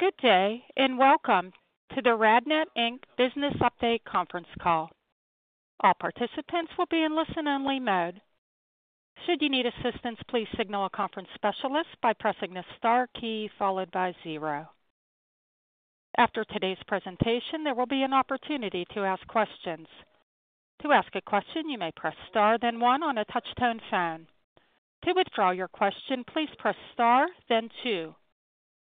Good day, and welcome to the RadNet Business Update conference call. All participants will be in listen-only mode. Should you need assistance, please signal a conference specialist by pressing the star key followed by zero. After today's presentation, there will be an opportunity to ask questions. To ask a question, you may press star, then one on a touch-tone phone. To withdraw your question, please press star, then two.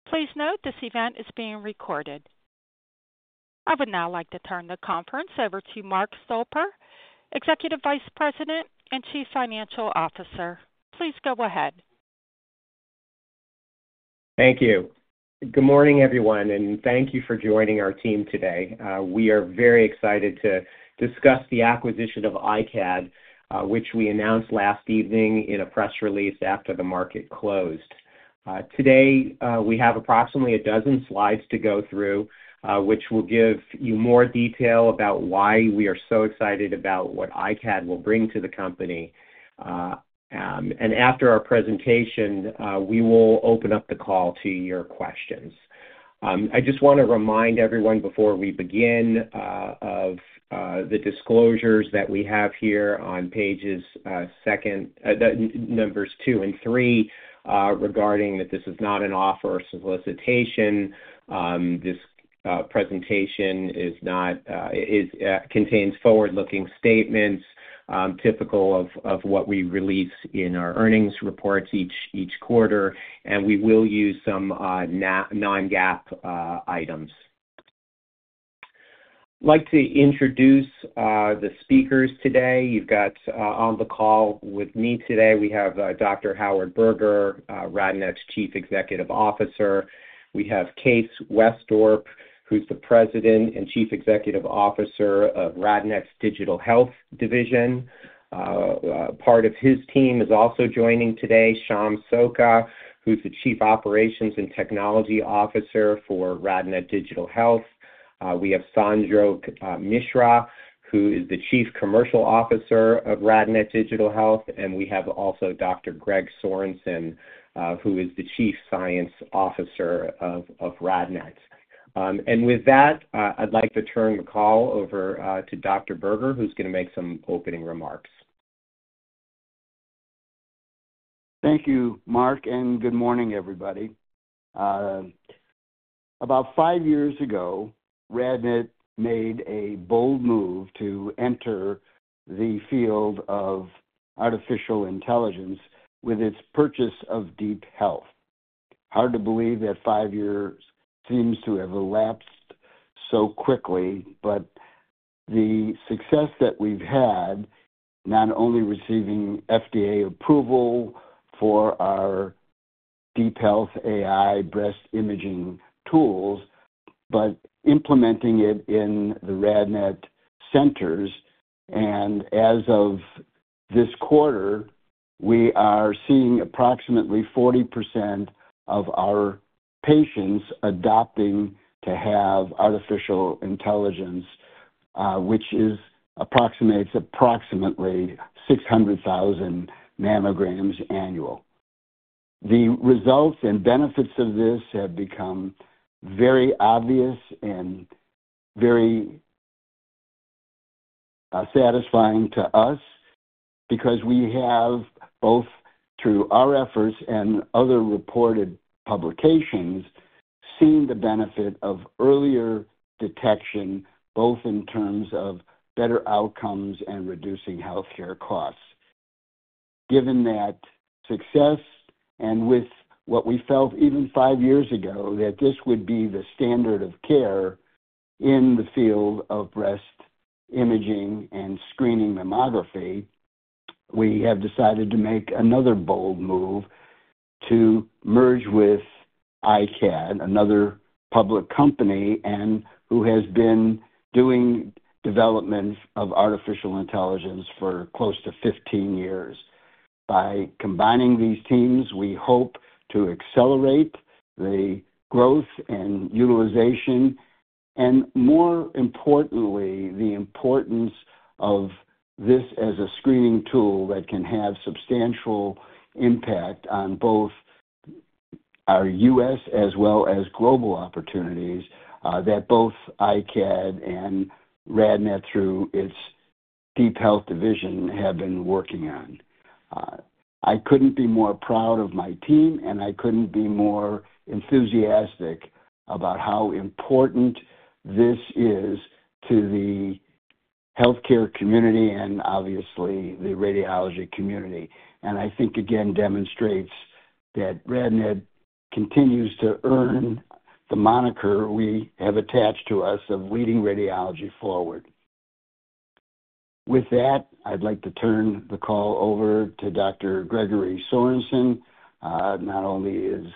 Please note this event is being recorded. I would now like to turn the conference over to Mark Stolper, Executive Vice President and Chief Financial Officer. Please go ahead. Thank you. Good morning, everyone, and thank you for joining our team today. We are very excited to discuss the acquisition of iCAD, which we announced last evening in a press release after the market closed. Today, we have approximately a dozen slides to go through, which will give you more detail about why we are so excited about what iCAD will bring to the company. After our presentation, we will open up the call to your questions. I just want to remind everyone before we begin of the disclosures that we have here on pages numbers two and three regarding that this is not an offer or solicitation. This presentation contains forward-looking statements typical of what we release in our earnings reports each quarter, and we will use some non-GAAP items. I'd like to introduce the speakers today. On the call with me today, we have Dr. Howard Berger, RadNet's Chief Executive Officer. We have Case Westorp, who's the President and Chief Executive Officer of RadNet's Digital Health Division. Part of his team is also joining today, Sham Soker, who's the Chief Operations and Technology Officer for RadNet Digital Health. We have Sanjog Misra, who is the Chief Commercial Officer of RadNet Digital Health, and we have also Dr. Gregory Sorensen, who is the Chief Science Officer of RadNet. With that, I'd like to turn the call over to Dr. Berger, who's going to make some opening remarks. Thank you, Mark, and good morning, everybody. About five years ago, RadNet made a bold move to enter the field of artificial intelligence with its purchase of DeepHealth. Hard to believe that five years seems to have elapsed so quickly, but the success that we've had, not only receiving FDA approval for our DeepHealth AI breast imaging tools, but implementing it in the RadNet centers. As of this quarter, we are seeing approximately 40% of our patients adopting to have artificial intelligence, which approximates approximately 600,000 mammograms annual. The results and benefits of this have become very obvious and very satisfying to us because we have, both through our efforts and other reported publications, seen the benefit of earlier detection, both in terms of better outcomes and reducing healthcare costs. Given that success and with what we felt even five years ago that this would be the standard of care in the field of breast imaging and screening mammography, we have decided to make another bold move to merge with iCAD, another public company who has been doing development of artificial intelligence for close to 15 years. By combining these teams, we hope to accelerate the growth and utilization, and more importantly, the importance of this as a screening tool that can have substantial impact on both our U.S. as well as global opportunities that both iCAD and RadNet, through its DeepHealth Division, have been working on. I couldn't be more proud of my team, and I couldn't be more enthusiastic about how important this is to the healthcare community and obviously the radiology community. I think, again, demonstrates that RadNet continues to earn the moniker we have attached to us of leading radiology forward. With that, I'd like to turn the call over to Dr. Gregory Sorensen. Not only is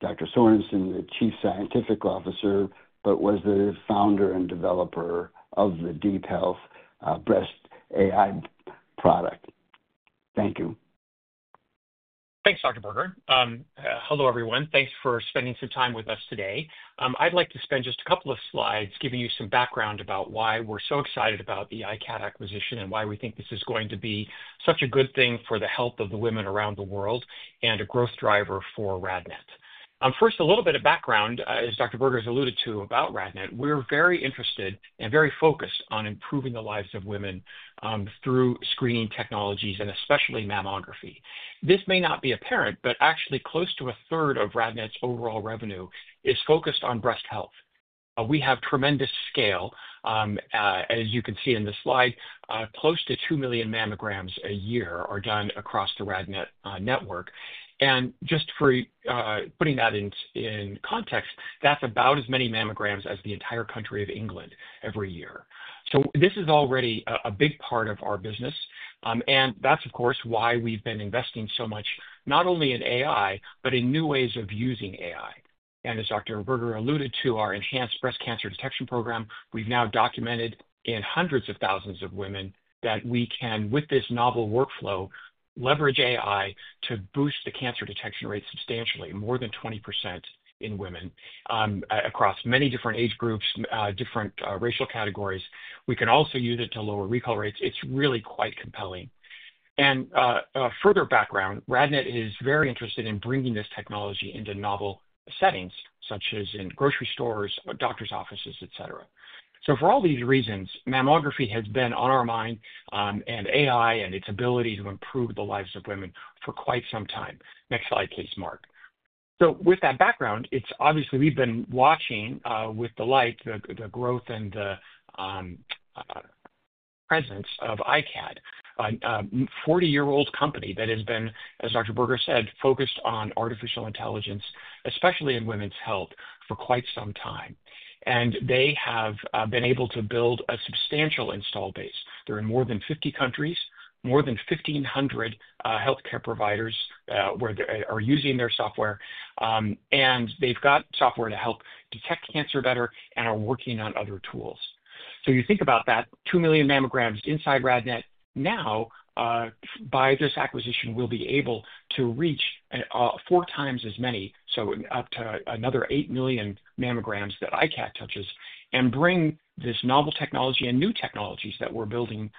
Dr. Sorensen the Chief Scientific Officer, but was the founder and developer of the DeepHealth breast AI product. Thank you. Thanks, Dr. Berger. Hello, everyone. Thanks for spending some time with us today. I'd like to spend just a couple of slides giving you some background about why we're so excited about the iCAD acquisition and why we think this is going to be such a good thing for the health of the women around the world and a growth driver for RadNet. First, a little bit of background, as Dr. Berger has alluded to about RadNet, we're very interested and very focused on improving the lives of women through screening technologies and especially mammography. This may not be apparent, but actually close to a third of RadNet's overall revenue is focused on breast health. We have tremendous scale. As you can see in this slide, close to 2 million mammograms a year are done across the RadNet network. Just for putting that in context, that's about as many mammograms as the entire country of England every year. This is already a big part of our business. That is, of course, why we've been investing so much, not only in AI, but in new ways of using AI. As Dr. Berger alluded to, our enhanced breast cancer detection program, we've now documented in hundreds of thousands of women that we can, with this novel workflow, leverage AI to boost the cancer detection rate substantially, more than 20% in women across many different age groups, different racial categories. We can also use it to lower recall rates. It's really quite compelling. Further background, RadNet is very interested in bringing this technology into novel settings, such as in grocery stores, doctor's offices, etc. For all these reasons, mammography has been on our mind and AI and its ability to improve the lives of women for quite some time. Next slide, please, Mark. With that background, it's obvious we've been watching with delight the growth and the presence of iCAD, a 40-year-old company that has been, as Dr. Berger said, focused on artificial intelligence, especially in women's health, for quite some time. They have been able to build a substantial install base. They're in more than 50 countries, more than 1,500 healthcare providers are using their software, and they've got software to help detect cancer better and are working on other tools. You think about that, 2 million mammograms inside RadNet now, by this acquisition, will be able to reach four times as many, so up to another 8 million mammograms that iCAD touches, and bring this novel technology and new technologies that we are building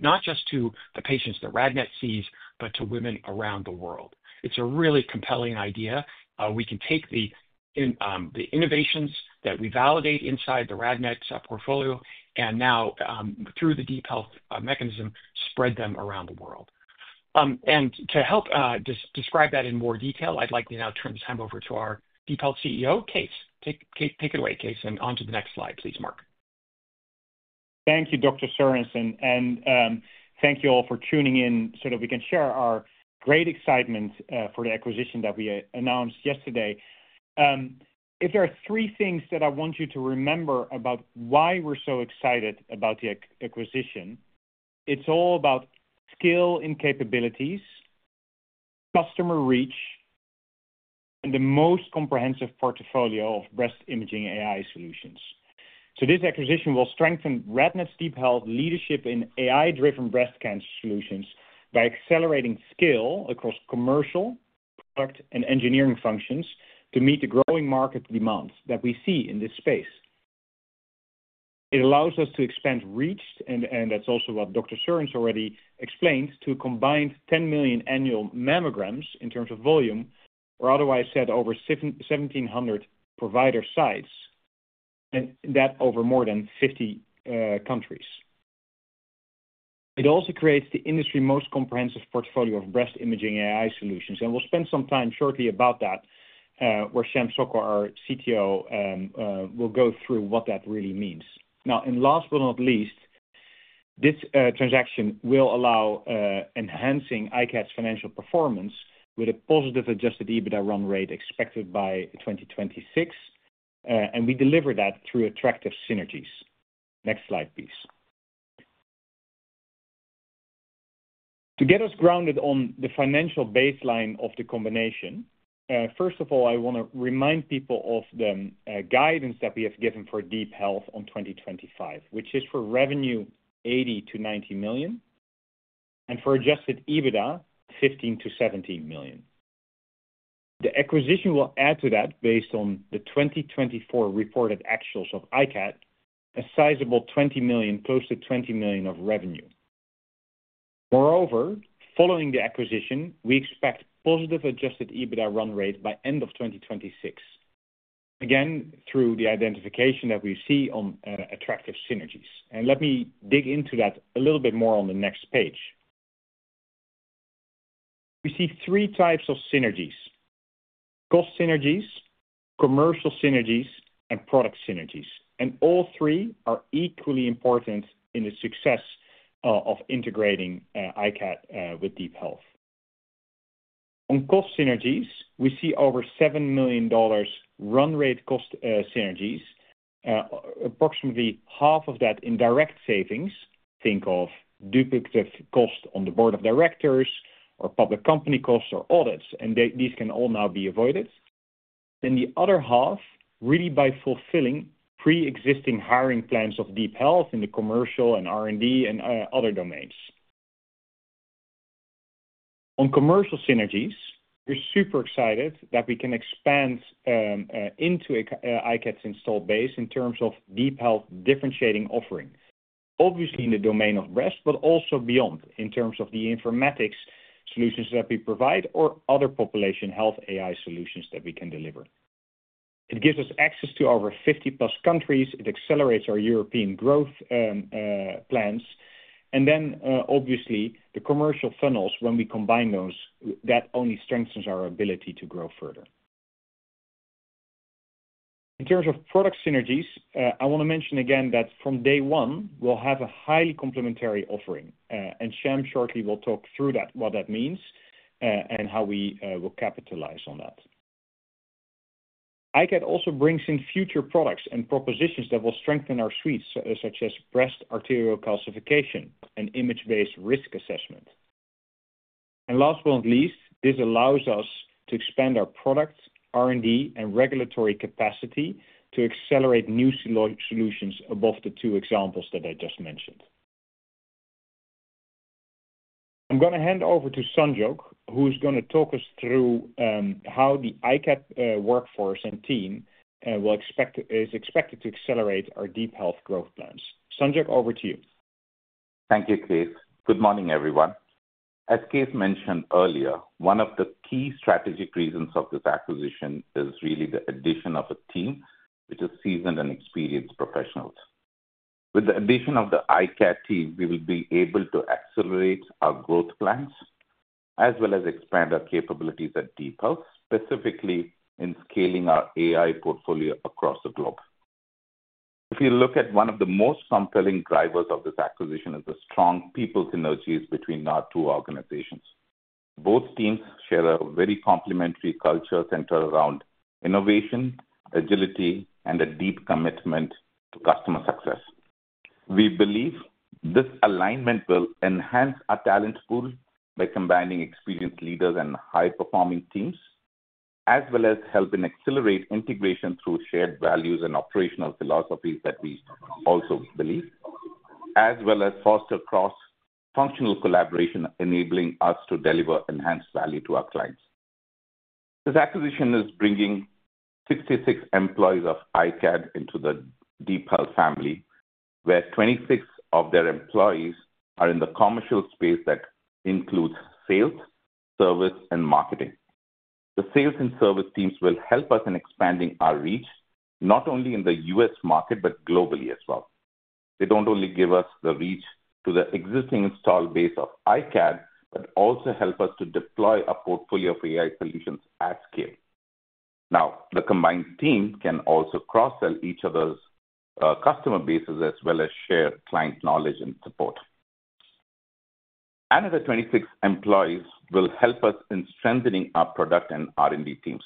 not just to the patients that RadNet sees, but to women around the world. It is a really compelling idea. We can take the innovations that we validate inside the RadNet portfolio and now, through the DeepHealth mechanism, spread them around the world. To help describe that in more detail, I would like to now turn the time over to our DeepHealth CEO, Case. Take it away, Kees, and on to the next slide, please, Mark. Thank you, Dr. Sorensen. Thank you all for tuning in so that we can share our great excitement for the acquisition that we announced yesterday. If there are three things that I want you to remember about why we're so excited about the acquisition, it's all about skill and capabilities, customer reach, and the most comprehensive portfolio of breast imaging AI solutions. This acquisition will strengthen RadNet's DeepHealth leadership in AI-driven breast cancer solutions by accelerating skill across commercial, product, and engineering functions to meet the growing market demands that we see in this space. It allows us to expand reach, and that's also what Dr. Sorensen already explained, to combined 10 million annual mammograms in terms of volume, or otherwise said, over 1,700 provider sites, and that over more than 50 countries. It also creates the industry's most comprehensive portfolio of breast imaging AI solutions. We will spend some time shortly about that, where Sham Sokka, our CTO, will go through what that really means. Now, last but not least, this transaction will allow enhancing iCAD's financial performance with a positive adjusted EBITDA run rate expected by 2026. We deliver that through attractive synergies. Next slide, please. To get us grounded on the financial baseline of the combination, first of all, I want to remind people of the guidance that we have given for DeepHealth in 2025, which is for revenue $80 million-$90 million and for adjusted EBITDA $15 million-$17 million. The acquisition will add to that, based on the 2024 reported actuals of iCAD, a sizable $20 million, close to $20 million of revenue. Moreover, following the acquisition, we expect positive adjusted EBITDA run rate by the end of 2026, again, through the identification that we see on attractive synergies. Let me dig into that a little bit more on the next page. We see three types of synergies: cost synergies, commercial synergies, and product synergies. All three are equally important in the success of integrating iCAD with DeepHealth. On cost synergies, we see over $7 million run rate cost synergies. Approximately half of that in direct savings, think of duplicative costs on the board of directors or public company costs or audits, and these can all now be avoided. The other half, really by fulfilling pre-existing hiring plans of DeepHealth in the commercial and R&D and other domains. On commercial synergies, we're super excited that we can expand into iCAD's install base in terms of DeepHealth differentiating offering, obviously in the domain of breast, but also beyond in terms of the informatics solutions that we provide or other population health AI solutions that we can deliver. It gives us access to over 50 plus countries. It accelerates our European growth plans. Obviously, the commercial funnels, when we combine those, that only strengthens our ability to grow further. In terms of product synergies, I want to mention again that from day one, we'll have a highly complementary offering. Sham shortly will talk through what that means and how we will capitalize on that. iCAD also brings in future products and propositions that will strengthen our suites, such as breast arterial calcification and image-based risk assessment. Last but not least, this allows us to expand our product, R&D, and regulatory capacity to accelerate new solutions above the two examples that I just mentioned. I'm going to hand over to Sanjog who is going to talk us through how the iCAD workforce and team is expected to accelerate our DeepHealth growth plans. Sanjog, over to you. Thank you, Kees. Good morning, everyone. As Kees mentioned earlier, one of the key strategic reasons of this acquisition is really the addition of a team which is seasoned and experienced professionals. With the addition of the iCAD team, we will be able to accelerate our growth plans as well as expand our capabilities at DeepHealth, specifically in scaling our AI portfolio across the globe. If you look at one of the most compelling drivers of this acquisition, it's the strong people synergies between our two organizations. Both teams share a very complementary culture centered around innovation, agility, and a deep commitment to customer success. We believe this alignment will enhance our talent pool by combining experienced leaders and high-performing teams, as well as helping accelerate integration through shared values and operational philosophies that we also believe, as well as foster cross-functional collaboration, enabling us to deliver enhanced value to our clients. This acquisition is bringing 66 employees of iCAD into the DeepHealth family, where 26 of their employees are in the commercial space that includes sales, service, and marketing. The sales and service teams will help us in expanding our reach, not only in the U.S. market, but globally as well. They do not only give us the reach to the existing install base of iCAD, but also help us to deploy a portfolio of AI solutions at scale. Now, the combined team can also cross-sell each other's customer bases as well as share client knowledge and support. Another 26 employees will help us in strengthening our product and R&D teams.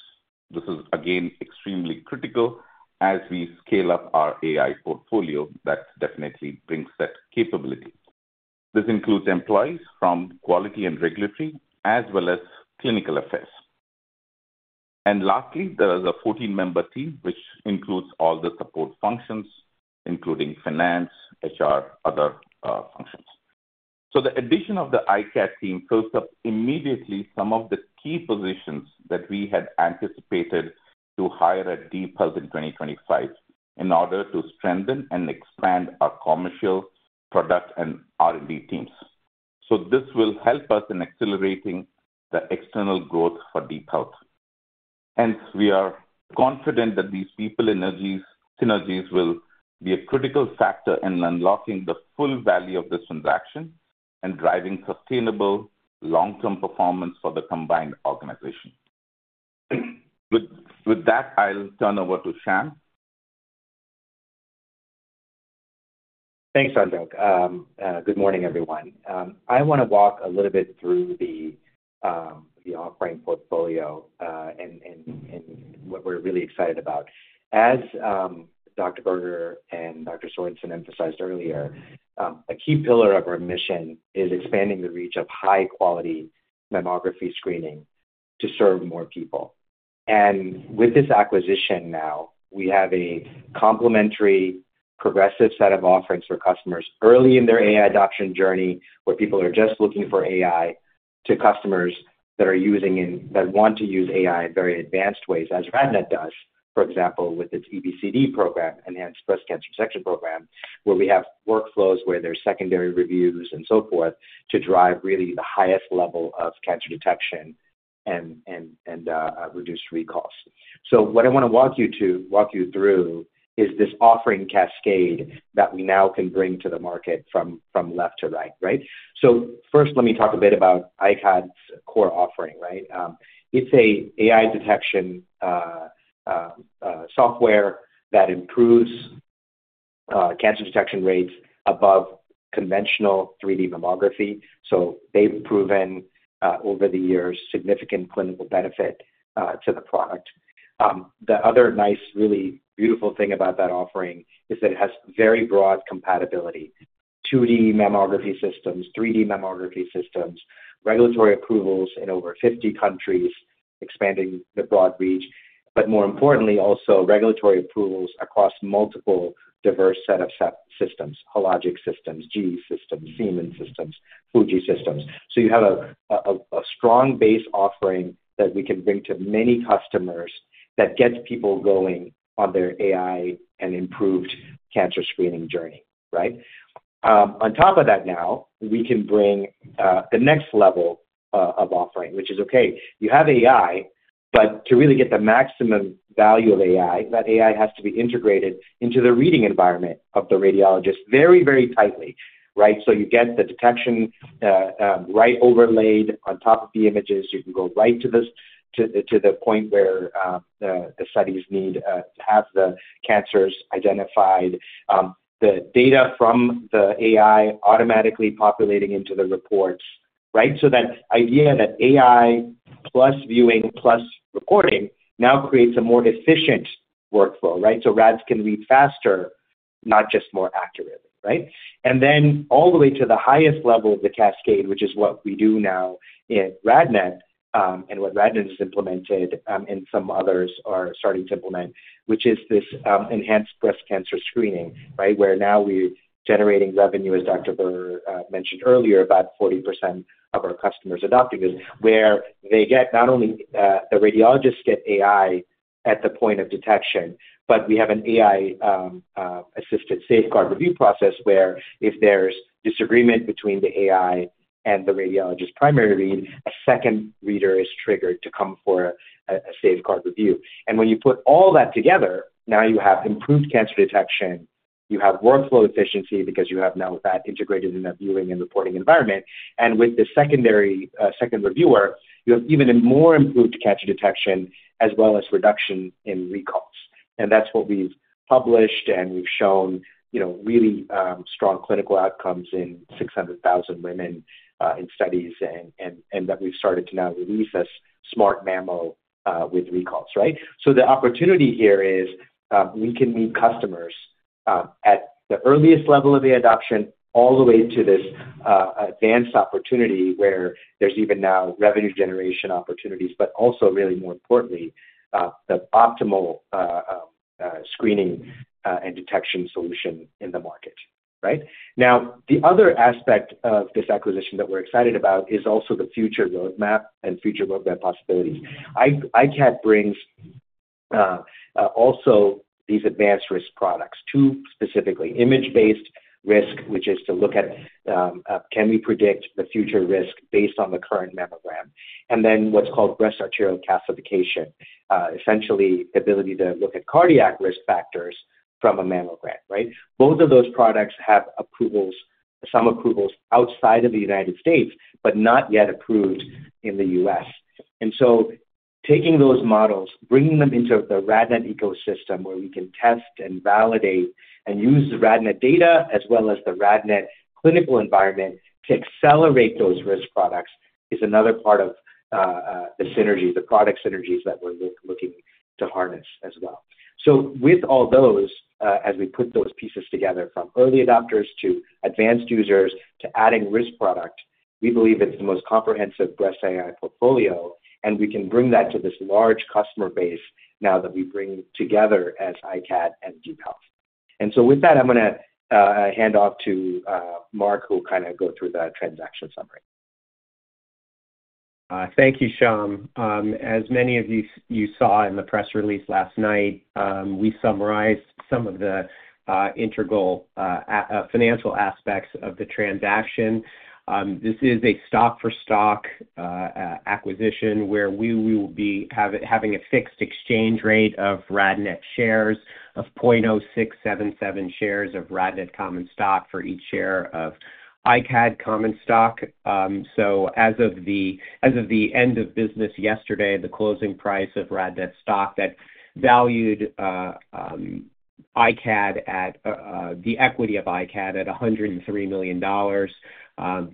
This is, again, extremely critical as we scale up our AI portfolio that definitely brings that capability. This includes employees from quality and regulatory as well as clinical affairs. Lastly, there is a 14-member team which includes all the support functions, including finance, HR, and other functions. The addition of the iCAD team fills up immediately some of the key positions that we had anticipated to hire at DeepHealth in 2025 in order to strengthen and expand our commercial, product, and R&D teams. This will help us in accelerating the external growth for DeepHealth. Hence, we are confident that these people synergies will be a critical factor in unlocking the full value of this transaction and driving sustainable long-term performance for the combined organization. With that, I'll turn over to Sham. Thanks, Sanjog. Good morning, everyone. I want to walk a little bit through the offering portfolio and what we're really excited about. As Dr. Berger and Dr. Sorensen emphasized earlier, a key pillar of our mission is expanding the reach of high-quality mammography screening to serve more people. With this acquisition now, we have a complementary progressive set of offerings for customers early in their AI adoption journey, where people are just looking for AI, to customers that are using and that want to use AI in very advanced ways, as RadNet does, for example, with its EBCD program, Enhanced Breast Cancer Detection Program, where we have workflows where there are secondary reviews and so forth to drive really the highest level of cancer detection and reduced recalls. What I want to walk you through is this offering cascade that we now can bring to the market from left to right, right? First, let me talk a bit about iCAD's core offering, right? It's an AI detection software that improves cancer detection rates above conventional 3D mammography. They've proven, over the years, significant clinical benefit to the product. The other nice, really beautiful thing about that offering is that it has very broad compatibility: 2D mammography systems, 3D mammography systems, regulatory approvals in over 50 countries, expanding the broad reach, but more importantly, also regulatory approvals across multiple diverse set of systems: Hologic systems, GE systems, Siemens systems, Fuji systems. You have a strong base offering that we can bring to many customers that gets people going on their AI and improved cancer screening journey, right? On top of that now, we can bring the next level of offering, which is, okay, you have AI, but to really get the maximum value of AI, that AI has to be integrated into the reading environment of the radiologist very, very tightly, right? You get the detection right overlaid on top of the images. You can go right to the point where the studies need to have the cancers identified, the data from the AI automatically populating into the reports, right? That idea that AI plus viewing plus reporting now creates a more efficient workflow, right? Rads can read faster, not just more accurately, right? All the way to the highest level of the cascade, which is what we do now in RadNet and what RadNet has implemented and some others are starting to implement, which is this enhanced breast cancer screening, right? Where now we're generating revenue, as Dr. Berger mentioned earlier, about 40% of our customers adopting this, where they get not only the radiologists get AI at the point of detection, but we have an AI-assisted safeguard review process where if there's disagreement between the AI and the radiologist's primary read, a second reader is triggered to come for a safeguard review. When you put all that together, now you have improved cancer detection, you have workflow efficiency because you have now that integrated in that viewing and reporting environment. With the second reviewer, you have even more improved cancer detection as well as reduction in recalls. That's what we've published, and we've shown really strong clinical outcomes in 600,000 women in studies and that we've started to now release this Smart Mammogram with recalls, right? The opportunity here is we can meet customers at the earliest level of the adoption all the way to this advanced opportunity where there's even now revenue generation opportunities, but also, really more importantly, the optimal screening and detection solution in the market, right? Now, the other aspect of this acquisition that we're excited about is also the future roadmap and future roadmap possibilities. iCAD brings also these advanced risk products, two specifically: image-based risk, which is to look at can we predict the future risk based on the current mammogram, and then what's called breast arterial calcification, essentially the ability to look at cardiac risk factors from a mammogram, right? Both of those products have approvals, some approvals outside of the U.S., but not yet approved in the U.S. Taking those models, bringing them into the RadNet ecosystem where we can test and validate and use the RadNet data as well as the RadNet clinical environment to accelerate those risk products is another part of the synergies, the product synergies that we're looking to harness as well. With all those, as we put those pieces together from early adopters to advanced users to adding risk product, we believe it's the most comprehensive breast AI portfolio, and we can bring that to this large customer base now that we bring together as iCAD and DeepHealth. With that, I'm going to hand off to Mark, who will kind of go through the transaction summary. Thank you, Sham. As many of you saw in the press release last night, we summarized some of the integral financial aspects of the transaction. This is a stock-for-stock acquisition where we will be having a fixed exchange rate of RadNet shares of 0.0677 shares of RadNet Common Stock for each share of iCAD Common Stock. As of the end of business yesterday, the closing price of RadNet Stock valued iCAD at the equity of iCAD at $103 million.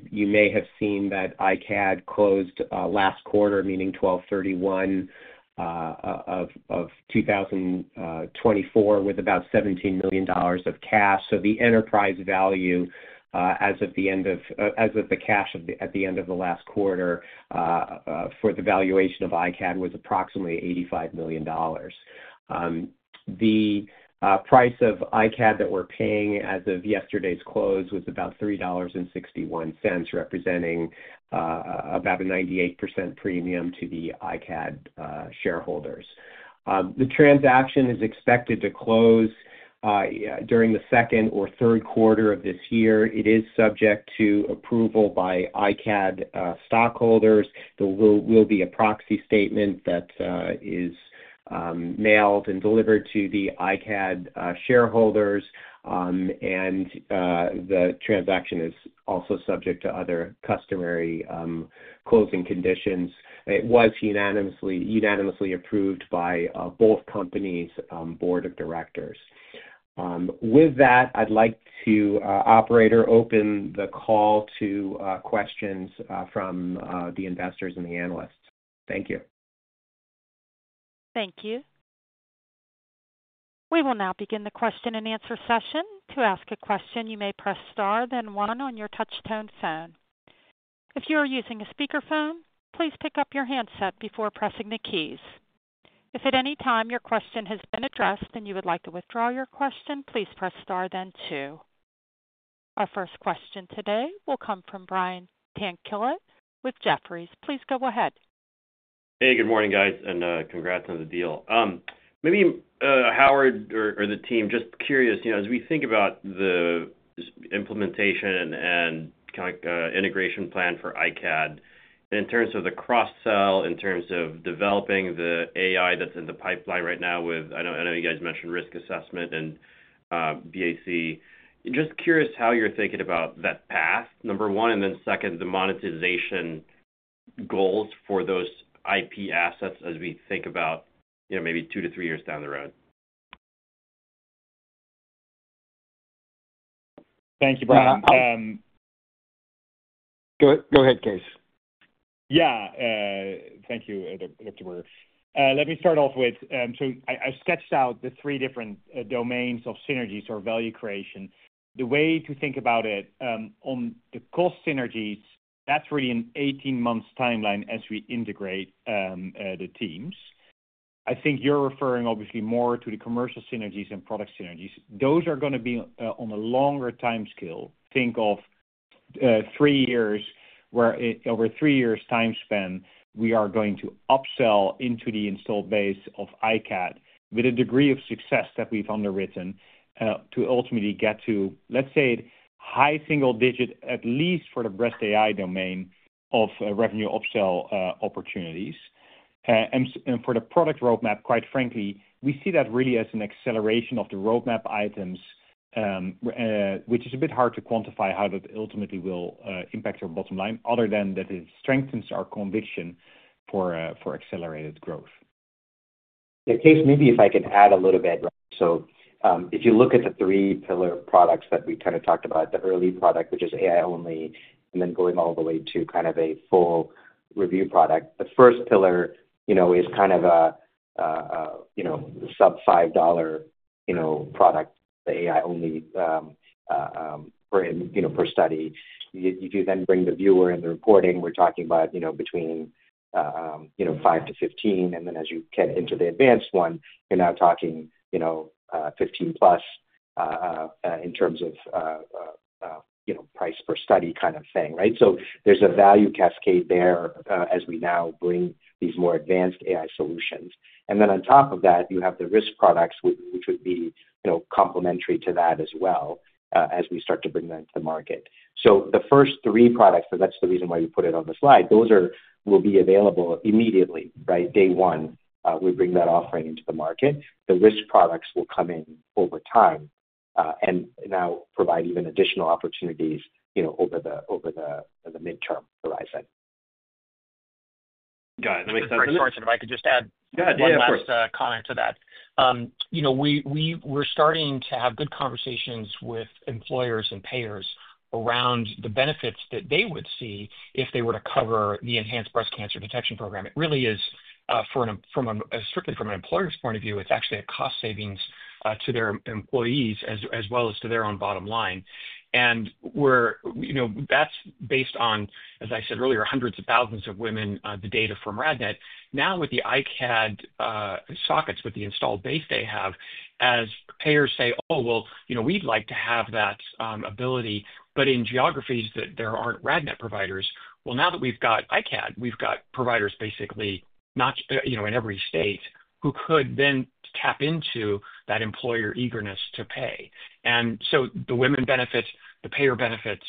You may have seen that iCAD closed last quarter, meaning December 31, 2024, with about $17 million of cash. The enterprise value as of the end of the cash at the end of the last quarter for the valuation of iCAD was approximately $85 million. The price of iCAD that we're paying as of yesterday's close was about $3.61, representing about a 98% premium to the iCAD shareholders. The transaction is expected to close during the second or third quarter of this year. It is subject to approval by iCAD stockholders. There will be a proxy statement that is mailed and delivered to the iCAD shareholders, and the transaction is also subject to other customary closing conditions. It was unanimously approved by both companies' board of directors. With that, I'd like to have the operator open the call to questions from the investors and the analysts. Thank you. Thank you. We will now begin the question and answer session. To ask a question, you may press star, then one on your touch-tone phone. If you are using a speakerphone, please pick up your handset before pressing the keys. If at any time your question has been addressed and you would like to withdraw your question, please press star, then two. Our first question today will come from Brian Tanquilut with Jefferies. Please go ahead. Hey, good morning, guys, and congrats on the deal. Maybe Howard or the team, just curious, as we think about the implementation and kind of integration plan for iCAD, in terms of the cross-sell, in terms of developing the AI that's in the pipeline right now with, I know you guys mentioned risk assessment and BAC. Just curious how you're thinking about that path, number one, and then second, the monetization goals for those IP assets as we think about maybe two to three years down the road. Thank you, Brian. Go ahead, Kees. Yeah. Thank you, Dr. Berger. Let me start off with, so I sketched out the three different domains of synergies or value creation. The way to think about it on the cost synergies, that's really an 18-month timeline as we integrate the teams. I think you're referring obviously more to the commercial synergies and product synergies. Those are going to be on a longer time scale. Think of three years where over three years' time span, we are going to upsell into the installed base of iCAD with a degree of success that we've underwritten to ultimately get to, let's say, high single digit, at least for the breast AI domain of revenue upsell opportunities. For the product roadmap, quite frankly, we see that really as an acceleration of the roadmap items, which is a bit hard to quantify how that ultimately will impact our bottom line, other than that it strengthens our conviction for accelerated growth. Yeah, Kees, maybe if I can add a little bit, right? If you look at the three pillar products that we kind of talked about, the early product, which is AI only, and then going all the way to kind of a full review product, the first pillar is kind of a sub-$5 product, the AI only per study. If you then bring the viewer and the reporting, we're talking about between $5-$15, and then as you get into the advanced one, you're now talking $15-plus in terms of price per study kind of thing, right? There's a value cascade there as we now bring these more advanced AI solutions. On top of that, you have the risk products, which would be complementary to that as well as we start to bring them to the market. The first three products, and that's the reason why we put it on the slide, those will be available immediately, right? Day one, we bring that offering into the market. The risk products will come in over time and now provide even additional opportunities over the midterm horizon. Got it. That makes sense. Sorensen, if I could just add. Go ahead. One last comment to that. We're starting to have good conversations with employers and payers around the benefits that they would see if they were to cover the Enhanced Breast Cancer Detection Program. It really is, strictly from an employer's point of view, it's actually a cost savings to their employees as well as to their own bottom line. That is based on, as I said earlier, hundreds of thousands of women, the data from RadNet. Now with the iCAD sockets, with the installed base they have, as payers say, "Oh, well, we'd like to have that ability," in geographies that there are not RadNet providers, now that we've got iCAD, we've got providers basically in every state who could then tap into that employer eagerness to pay. The women benefit, the payer benefits,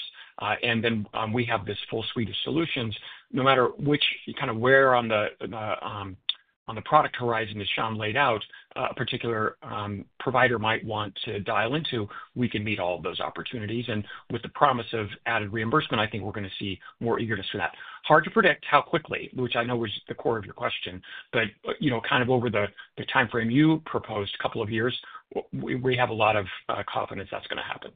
and then we have this full suite of solutions. No matter kind of where on the product horizon that Sham laid out, a particular provider might want to dial into, we can meet all of those opportunities. With the promise of added reimbursement, I think we're going to see more eagerness for that. Hard to predict how quickly, which I know was the core of your question, but kind of over the timeframe you proposed, a couple of years, we have a lot of confidence that's going to happen.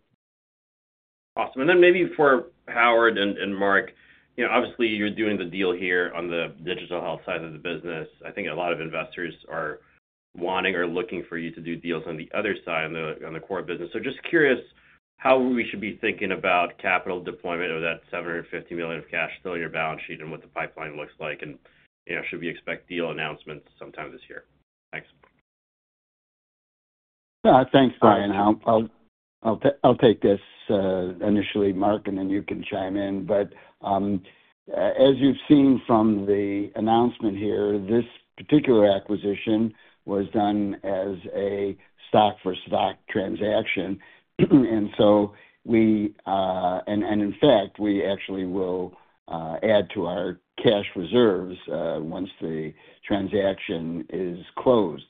Awesome. Maybe for Howard and Mark, obviously, you're doing the deal here on the digital health side of the business. I think a lot of investors are wanting or looking for you to do deals on the other side on the core business. Just curious how we should be thinking about capital deployment of that $750 million of cash still in your balance sheet and what the pipeline looks like, and should we expect deal announcements sometime this year? Thanks. Thanks, Brian. I'll take this initially, Mark, and then you can chime in. As you've seen from the announcement here, this particular acquisition was done as a stock-for-stock transaction. In fact, we actually will add to our cash reserves once the transaction is closed.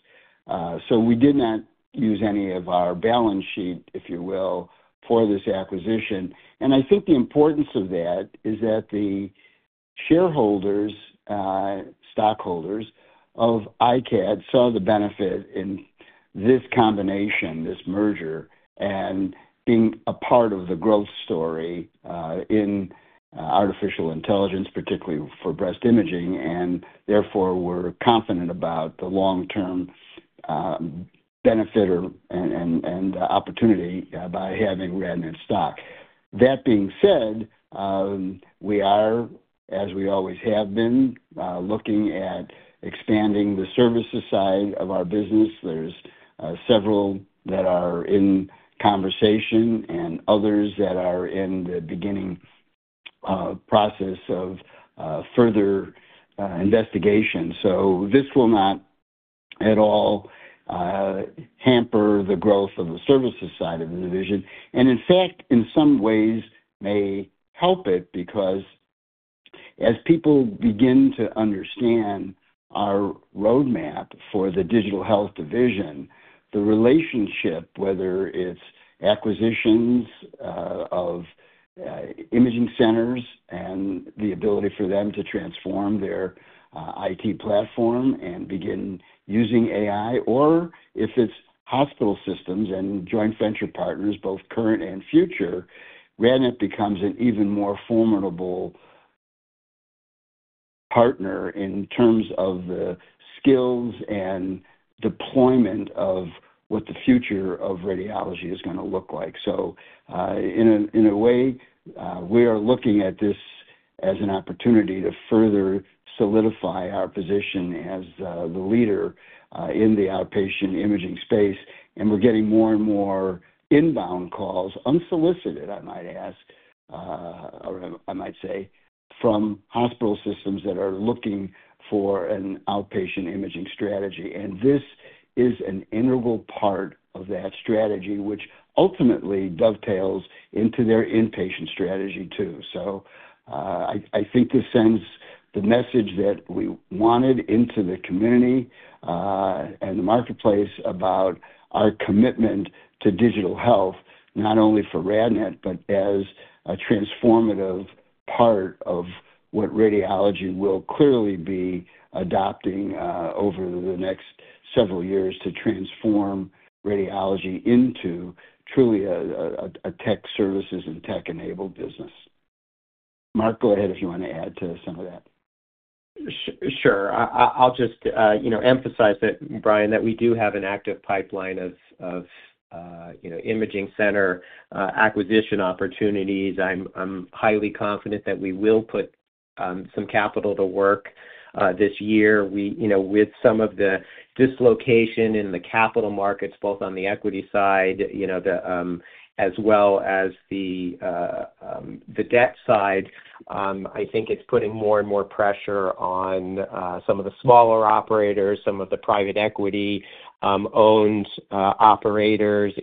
We did not use any of our balance sheet, if you will, for this acquisition. I think the importance of that is that the shareholders, stockholders of iCAD, saw the benefit in this combination, this merger, and being a part of the growth story in artificial intelligence, particularly for breast imaging, and therefore were confident about the long-term benefit and opportunity by having RadNet stock. That being said, we are, as we always have been, looking at expanding the services side of our business. There are several that are in conversation and others that are in the beginning process of further investigation. This will not at all hamper the growth of the services side of the division. In fact, in some ways, may help it because as people begin to understand our roadmap for the digital health division, the relationship, whether it's acquisitions of imaging centers and the ability for them to transform their IT platform and begin using AI, or if it's hospital systems and joint venture partners, both current and future, RadNet becomes an even more formidable partner in terms of the skills and deployment of what the future of radiology is going to look like. In a way, we are looking at this as an opportunity to further solidify our position as the leader in the outpatient imaging space. We're getting more and more inbound calls, unsolicited, I might say, from hospital systems that are looking for an outpatient imaging strategy. This is an integral part of that strategy, which ultimately dovetails into their inpatient strategy too. I think this sends the message that we wanted into the community and the marketplace about our commitment to digital health, not only for RadNet, but as a transformative part of what radiology will clearly be adopting over the next several years to transform radiology into truly a tech services and tech-enabled business. Mark, go ahead if you want to add to some of that. Sure. I'll just emphasize that, Brian, that we do have an active pipeline of imaging center acquisition opportunities. I'm highly confident that we will put some capital to work this year. With some of the dislocation in the capital markets, both on the equity side as well as the debt side, I think it's putting more and more pressure on some of the smaller operators, some of the private equity-owned operators.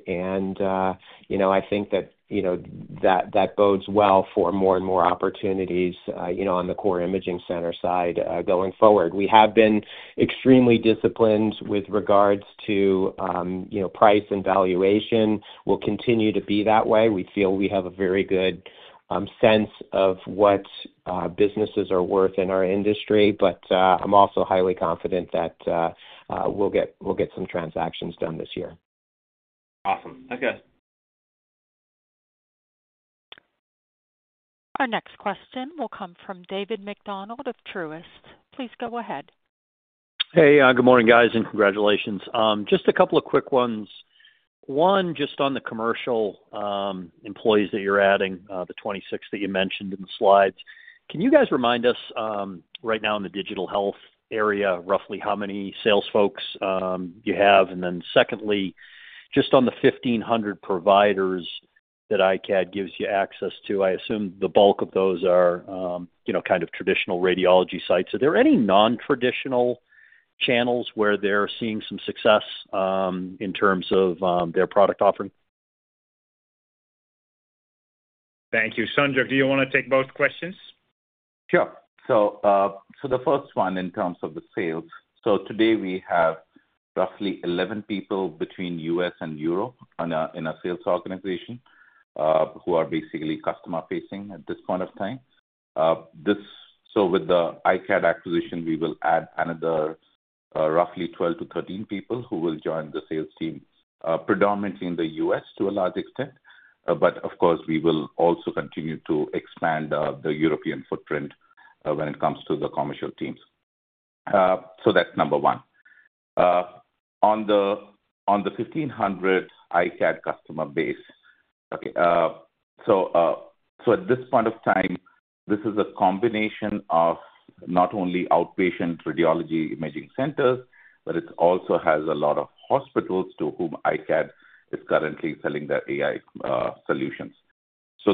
I think that that bodes well for more and more opportunities on the core imaging center side going forward. We have been extremely disciplined with regards to price and valuation. We'll continue to be that way. We feel we have a very good sense of what businesses are worth in our industry, but I'm also highly confident that we'll get some transactions done this year. Awesome. Thank you. Our next question will come from David MacDonald of Truist. Please go ahead. Hey, good morning, guys, and congratulations. Just a couple of quick ones. One, just on the commercial employees that you're adding, the 26 that you mentioned in the slides. Can you guys remind us right now in the digital health area, roughly how many sales folks you have? Secondly, just on the 1,500 providers that iCAD gives you access to, I assume the bulk of those are kind of traditional radiology sites. Are there any non-traditional channels where they're seeing some success in terms of their product offering? Thank you. Sanjog, do you want to take both questions? Sure. The first one in terms of the sales. Today we have roughly 11 people between the US and Europe in a sales organization who are basically customer-facing at this point of time. With the iCAD acquisition, we will add another roughly 12-13 people who will join the sales team, predominantly in the US to a large extent. Of course, we will also continue to expand the European footprint when it comes to the commercial teams. That is number one. On the 1,500 iCAD customer base, at this point of time, this is a combination of not only outpatient radiology imaging centers, but it also has a lot of hospitals to whom iCAD is currently selling their AI solutions.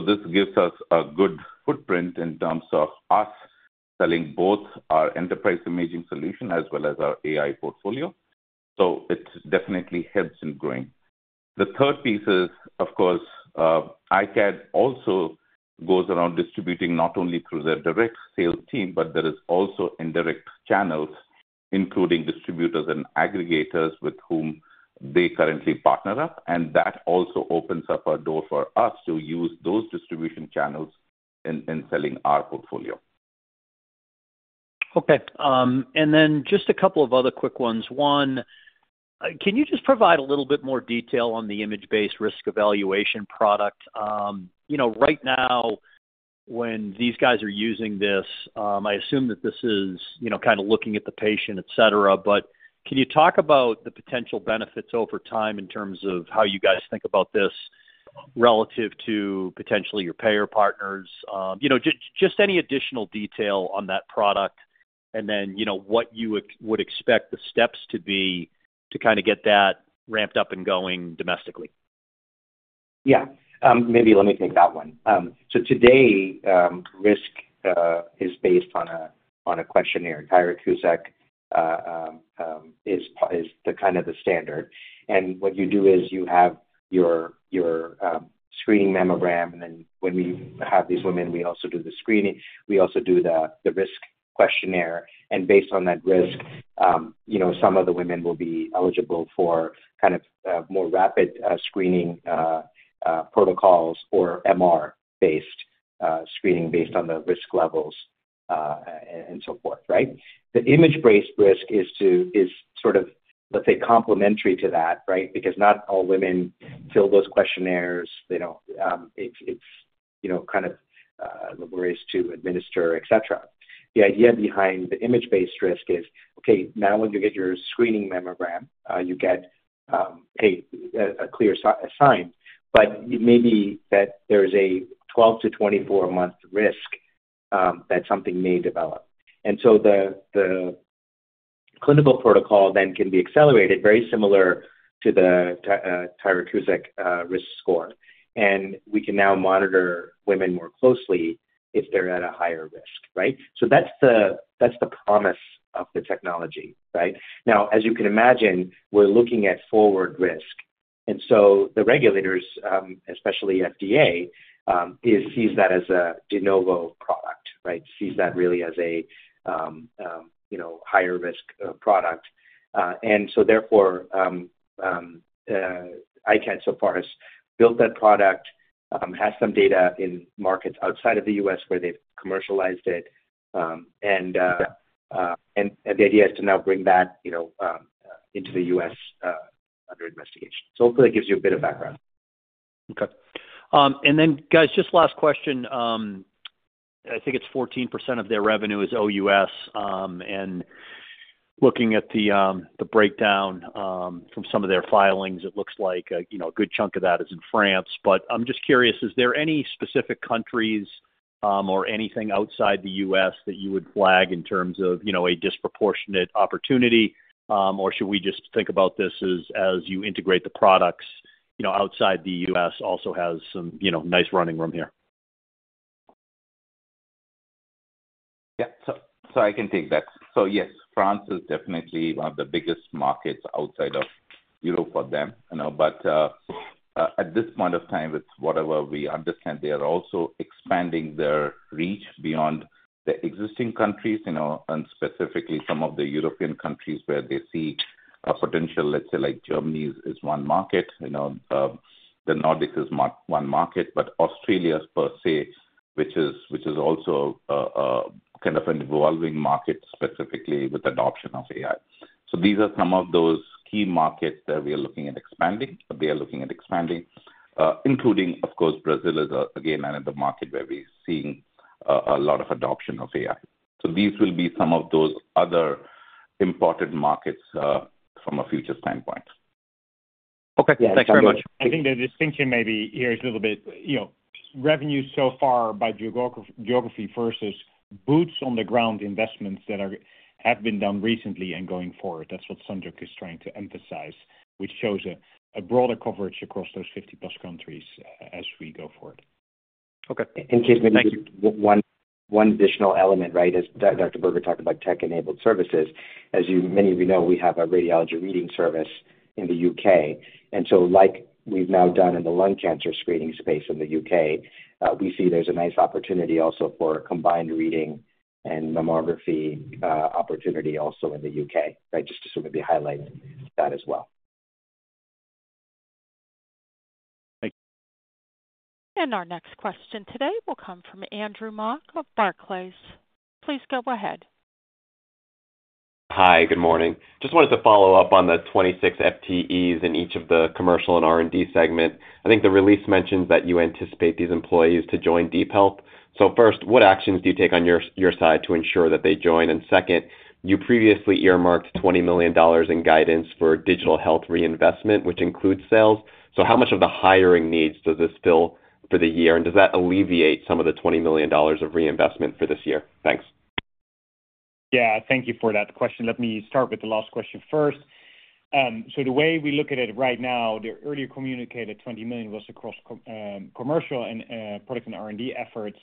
This gives us a good footprint in terms of us selling both our enterprise imaging solution as well as our AI portfolio. It definitely helps in growing. The third piece is, of course, iCAD also goes around distributing not only through their direct sales team, but there are also indirect channels, including distributors and aggregators with whom they currently partner up. That also opens up a door for us to use those distribution channels in selling our portfolio. Okay. Just a couple of other quick ones. One, can you just provide a little bit more detail on the image-based risk evaluation product? Right now, when these guys are using this, I assume that this is kind of looking at the patient, etc. Can you talk about the potential benefits over time in terms of how you guys think about this relative to potentially your payer partners? Just any additional detail on that product and what you would expect the steps to be to kind of get that ramped up and going domestically. Yeah. Maybe let me take that one. Today, risk is based on a questionnaire. Tyrer-Cuzick is kind of the standard. What you do is you have your screening mammogram, and then when we have these women, we also do the screening. We also do the risk questionnaire. Based on that risk, some of the women will be eligible for kind of more rapid screening protocols or MR-based screening based on the risk levels and so forth, right? The image-based risk is sort of, let's say, complementary to that, right? Because not all women fill those questionnaires. It's kind of laborious to administer, etc. The idea behind the image-based risk is, okay, now when you get your screening mammogram, you get, hey, a clear sign. But maybe that there is a 12-24 month risk that something may develop. The clinical protocol then can be accelerated, very similar to the Tyrer-Cuzick risk score. We can now monitor women more closely if they're at a higher risk, right? That's the promise of the technology, right? As you can imagine, we're looking at forward risk. The regulators, especially FDA, see that as a de novo product, right? They see that really as a higher risk product. Therefore, iCAD so far has built that product, has some data in markets outside of the US where they've commercialized it. The idea is to now bring that into the US under investigation. Hopefully, it gives you a bit of background. Okay. And then, guys, just last question. I think it's 14% of their revenue is OUS. Looking at the breakdown from some of their filings, it looks like a good chunk of that is in France. I'm just curious, is there any specific countries or anything outside the US that you would flag in terms of a disproportionate opportunity, or should we just think about this as you integrate the products outside the US also has some nice running room here? Yeah. I can take that. Yes, France is definitely one of the biggest markets outside of Europe for them. At this point of time, it's whatever we understand. They are also expanding their reach beyond the existing countries, and specifically some of the European countries where they see a potential, let's say, like Germany is one market. The Nordics is one market, but Australia per se, which is also kind of an evolving market specifically with adoption of AI. These are some of those key markets that we are looking at expanding, or they are looking at expanding, including, of course, Brazil is, again, another market where we're seeing a lot of adoption of AI. These will be some of those other important markets from a future standpoint. Okay. Thanks very much. I think the distinction maybe here is a little bit revenue so far by geography versus boots-on-the-ground investments that have been done recently and going forward. That is what Sanjog is trying to emphasize, which shows a broader coverage across those 50-plus countries as we go forward. Okay. Just one additional element, right, as Dr. Berger talked about tech-enabled services. As many of you know, we have a radiology reading service in the U.K. Like we've now done in the lung cancer screening space in the U.K., we see there's a nice opportunity also for combined reading and mammography opportunity also in the U.K., right, just to sort of highlight that as well. Thank you. Our next question today will come from Andrew Mok of Barclays. Please go ahead. Hi, good morning. Just wanted to follow up on the 26 FTEs in each of the commercial and R&D segment. I think the release mentions that you anticipate these employees to join DeepHealth. First, what actions do you take on your side to ensure that they join? You previously earmarked $20 million in guidance for digital health reinvestment, which includes sales. How much of the hiring needs does this fill for the year? Does that alleviate some of the $20 million of reinvestment for this year? Thanks. Yeah. Thank you for that question. Let me start with the last question first. The way we look at it right now, the earlier communicated $20 million was across commercial and product and R&D efforts.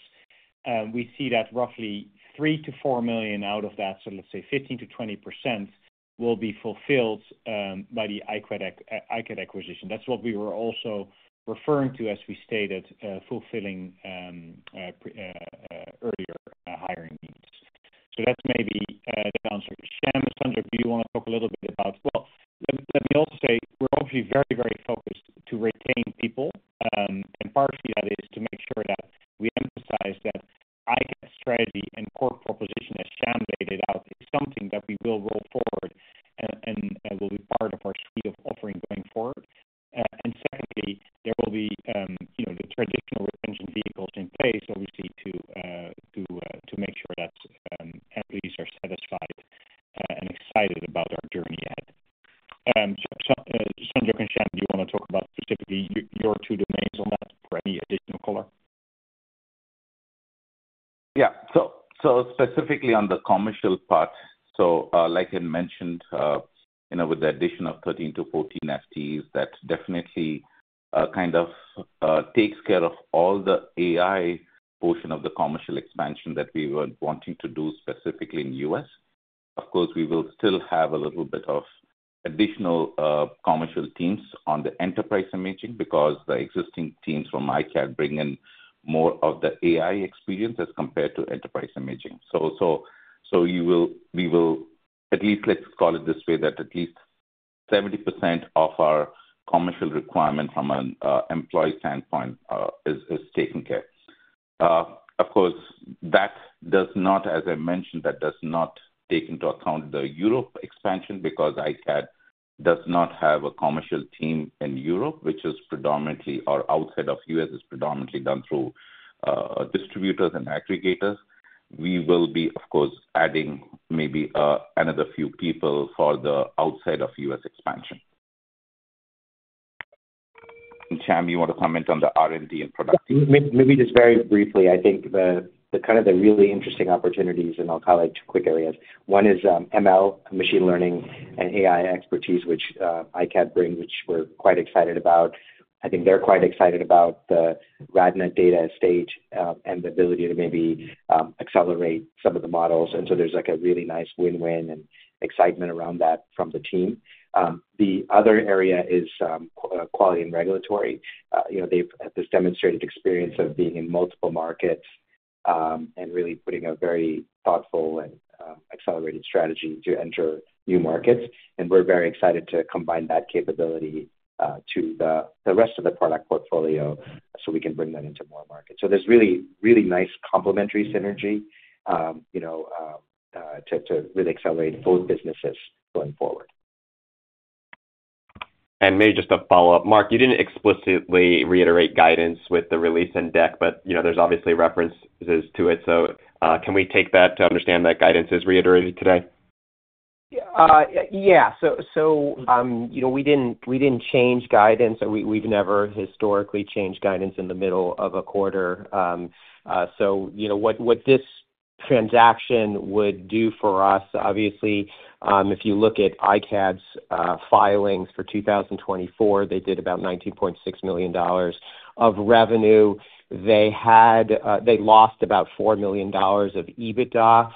We see that roughly $3 million-$4 million out of that, so let's say 15%-20%, will be fulfilled by the iCAD acquisition. That's what we were also referring to as we stated, fulfilling earlier hiring needs. That's maybe the answer. Sham, Sanjog, do you want to talk a little bit about—let me also say we're obviously very, very focused to retain people. Partially, that is to make sure that we emphasize that iCAD strategy and core proposition, as Sham laid it out, is something that we will roll forward and will be part of our suite of offering going forward. Secondly, there will be the traditional retention vehicles in place, obviously, to make sure that employees are satisfied and excited about our journey ahead. Sanjog and Sham, do you want to talk about specifically your two domains on that? Any additional color? Yeah. Specifically on the commercial part, like I mentioned, with the addition of 13-14 FTEs, that definitely kind of takes care of all the AI portion of the commercial expansion that we were wanting to do specifically in the US. Of course, we will still have a little bit of additional commercial teams on the enterprise imaging because the existing teams from iCAD bring in more of the AI experience as compared to enterprise imaging. We will at least, let's call it this way, that at least 70% of our commercial requirement from an employee standpoint is taken care of. Of course, as I mentioned, that does not take into account the Europe expansion because iCAD does not have a commercial team in Europe, which is predominantly or outside of the US is predominantly done through distributors and aggregators. We will be, of course, adding maybe another few people for the outside of US expansion. Sham, do you want to comment on the R&D and product? Maybe just very briefly, I think the kind of the really interesting opportunities in our colleagues' quick areas. One is ML, machine learning, and AI expertise, which iCAD brings, which we're quite excited about. I think they're quite excited about the RadNet data estate and the ability to maybe accelerate some of the models. There is a really nice win-win and excitement around that from the team. The other area is quality and regulatory. They've had this demonstrated experience of being in multiple markets and really putting a very thoughtful and accelerated strategy to enter new markets. We are very excited to combine that capability to the rest of the product portfolio so we can bring that into more markets. There's really, really nice complementary synergy to really accelerate both businesses going forward. Maybe just a follow-up. Mark, you did not explicitly reiterate guidance with the release and deck, but there are obviously references to it. Can we take that to understand that guidance is reiterated today? Yeah. We didn't change guidance, or we've never historically changed guidance in the middle of a quarter. What this transaction would do for us, obviously, if you look at iCAD's filings for 2024, they did about $19.6 million of revenue. They lost about $4 million of EBITDA.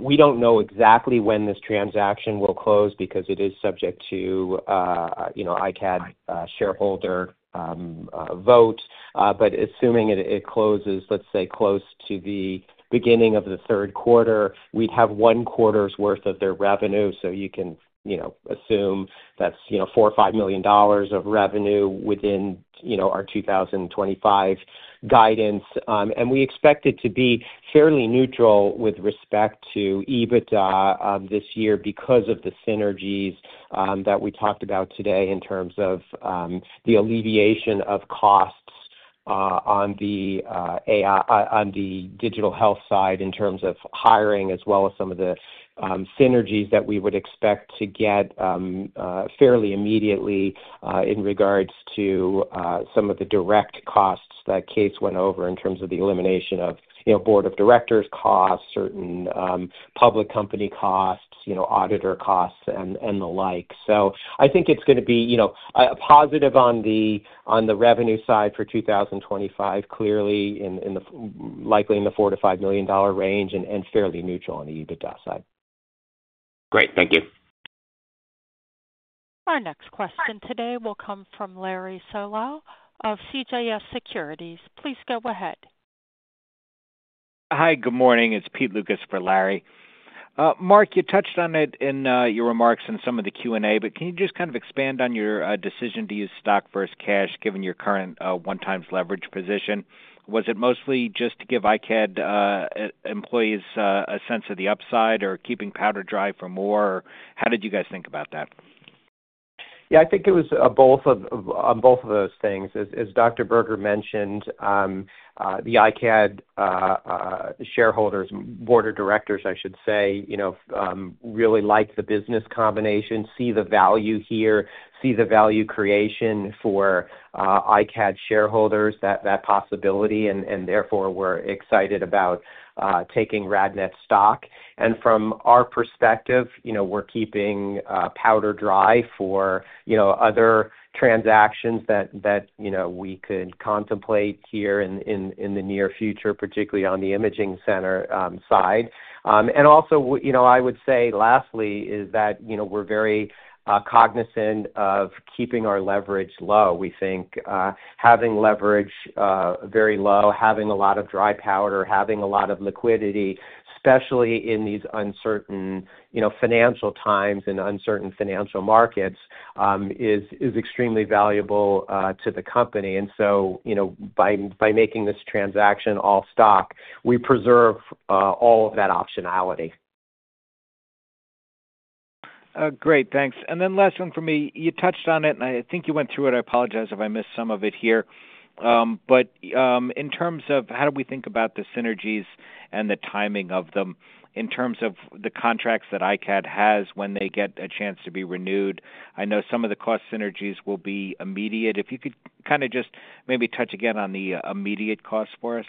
We don't know exactly when this transaction will close because it is subject to iCAD shareholder vote. Assuming it closes, let's say, close to the beginning of the third quarter, we'd have one quarter's worth of their revenue. You can assume that's $4 million-$5 million of revenue within our 2025 guidance. We expect it to be fairly neutral with respect to EBITDA this year because of the synergies that we talked about today in terms of the alleviation of costs on the digital health side in terms of hiring, as well as some of the synergies that we would expect to get fairly immediately in regards to some of the direct costs that Case went over in terms of the elimination of board of directors costs, certain public company costs, auditor costs, and the like. I think it is going to be a positive on the revenue side for 2025, clearly likely in the $4 million-$5 million range and fairly neutral on the EBITDA side. Great. Thank you. Our next question today will come from Larry Solow of CJS Securities. Please go ahead. Hi, good morning. It's Peter Lukas for Larry. Mark, you touched on it in your remarks in some of the Q&A, but can you just kind of expand on your decision to use stock versus cash given your current one-time leverage position? Was it mostly just to give iCAD employees a sense of the upside or keeping powder dry for more? How did you guys think about that? Yeah, I think it was both of those things. As Dr. Berger mentioned, the iCAD shareholders, board of directors, I should say, really like the business combination, see the value here, see the value creation for iCAD shareholders, that possibility. Therefore, we're excited about taking RadNet stock. From our perspective, we're keeping powder dry for other transactions that we could contemplate here in the near future, particularly on the imaging center side. I would say lastly is that we're very cognizant of keeping our leverage low. We think having leverage very low, having a lot of dry powder, having a lot of liquidity, especially in these uncertain financial times and uncertain financial markets, is extremely valuable to the company. By making this transaction all stock, we preserve all of that optionality. Great. Thanks. Last one for me. You touched on it, and I think you went through it. I apologize if I missed some of it here. In terms of how do we think about the synergies and the timing of them in terms of the contracts that iCAD has when they get a chance to be renewed? I know some of the cost synergies will be immediate. If you could kind of just maybe touch again on the immediate cost for us.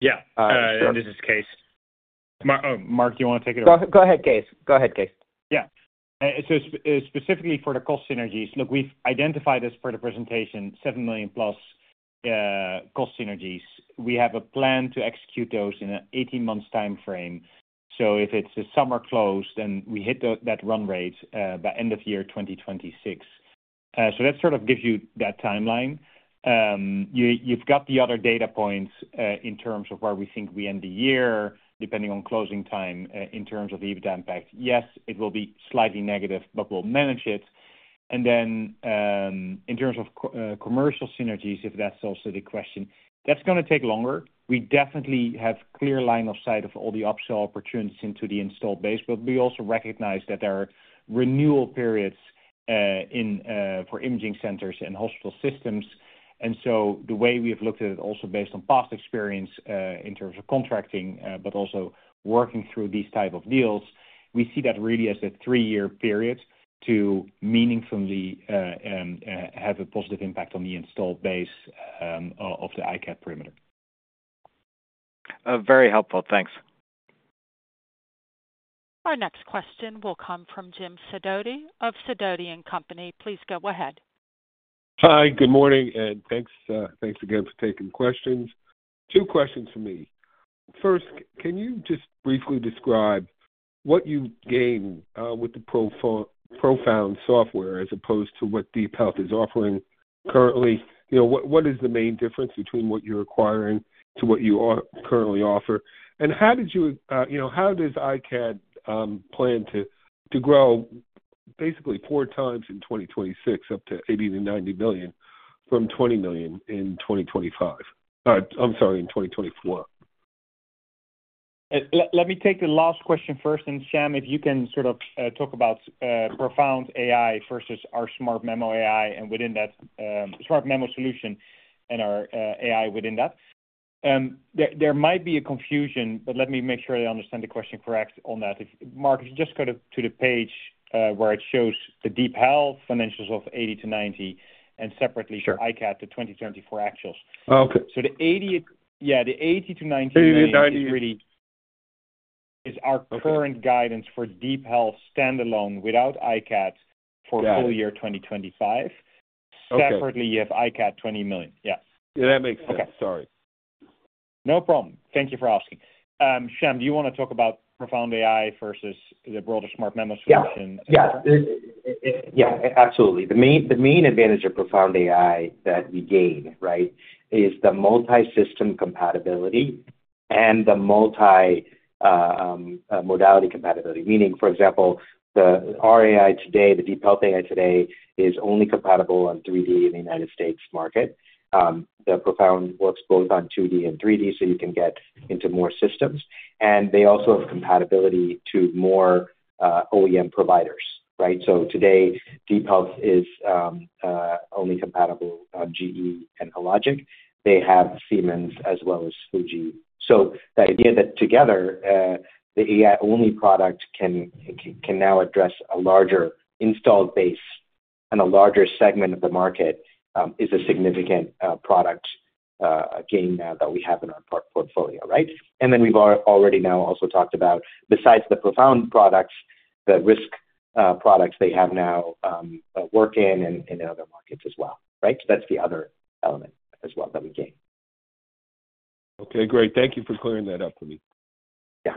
Yeah. This is Kees. Mark, you want to take it over? Go ahead, Case. Go ahead, Kees. Yeah. Specifically for the cost synergies, look, we've identified this for the presentation, $7 million-plus cost synergies. We have a plan to execute those in an 18-month time frame. If it's a summer close, then we hit that run rate by end of year 2026. That sort of gives you that timeline. You've got the other data points in terms of where we think we end the year depending on closing time in terms of EBITDA impact. Yes, it will be slightly negative, but we'll manage it. In terms of commercial synergies, if that's also the question, that's going to take longer. We definitely have a clear line of sight of all the upsell opportunities into the installed base, but we also recognize that there are renewal periods for imaging centers and hospital systems. The way we have looked at it, also based on past experience in terms of contracting, but also working through these types of deals, we see that really as a three-year period to meaningfully have a positive impact on the installed base of the iCAD perimeter. Very helpful. Thanks. Our next question will come from Jim Sidoti of Sidoti & Company. Please go ahead. Hi, good morning. Thanks again for taking questions. Two questions for me. First, can you just briefly describe what you gain with the ProFound software as opposed to what DeepHealth is offering currently? What is the main difference between what you're acquiring to what you currently offer? How does iCAD plan to grow basically four times in 2026, up to $80 million-$90 million from $20 million in 2025? I'm sorry, in 2024. Let me take the last question first. Sham, if you can sort of talk about ProFound AI versus our Smart Mammogram AI and within that Smart Mammogram solution and our AI within that. There might be a confusion, but let me make sure I understand the question correct on that. Mark, if you just go to the page where it shows the DeepHealth financials of $80 million-$90 million and separately for iCAD, the 2024 actuals. The $80 million-$90 million is really our current guidance for DeepHealth standalone without iCAD for full year 2025. Separately, you have iCAD $20 million. Yeah. Yeah, that makes sense. Sorry. No problem. Thank you for asking. Sham, do you want to talk about ProFound AI versus the broader Smart Mammogram solution? Yeah. Yeah, absolutely. The main advantage of ProFound AI that we gain, right, is the multi-system compatibility and the multi-modality compatibility. Meaning, for example, our AI today, the DeepHealth AI today, is only compatible on 3D in the US market. The ProFound works both on 2D and 3D, so you can get into more systems. They also have compatibility to more OEM providers, right? Today, DeepHealth is only compatible on GE and Hologic. They have Siemens as well as Fujifilm. The idea that together, the AI-only product can now address a larger installed base and a larger segment of the market is a significant product gain now that we have in our portfolio, right? We've already now also talked about, besides the ProFound products, the risk products they have now work in and in other markets as well, right? That's the other element as well that we gain. Okay. Great. Thank you for clearing that up for me. Yeah.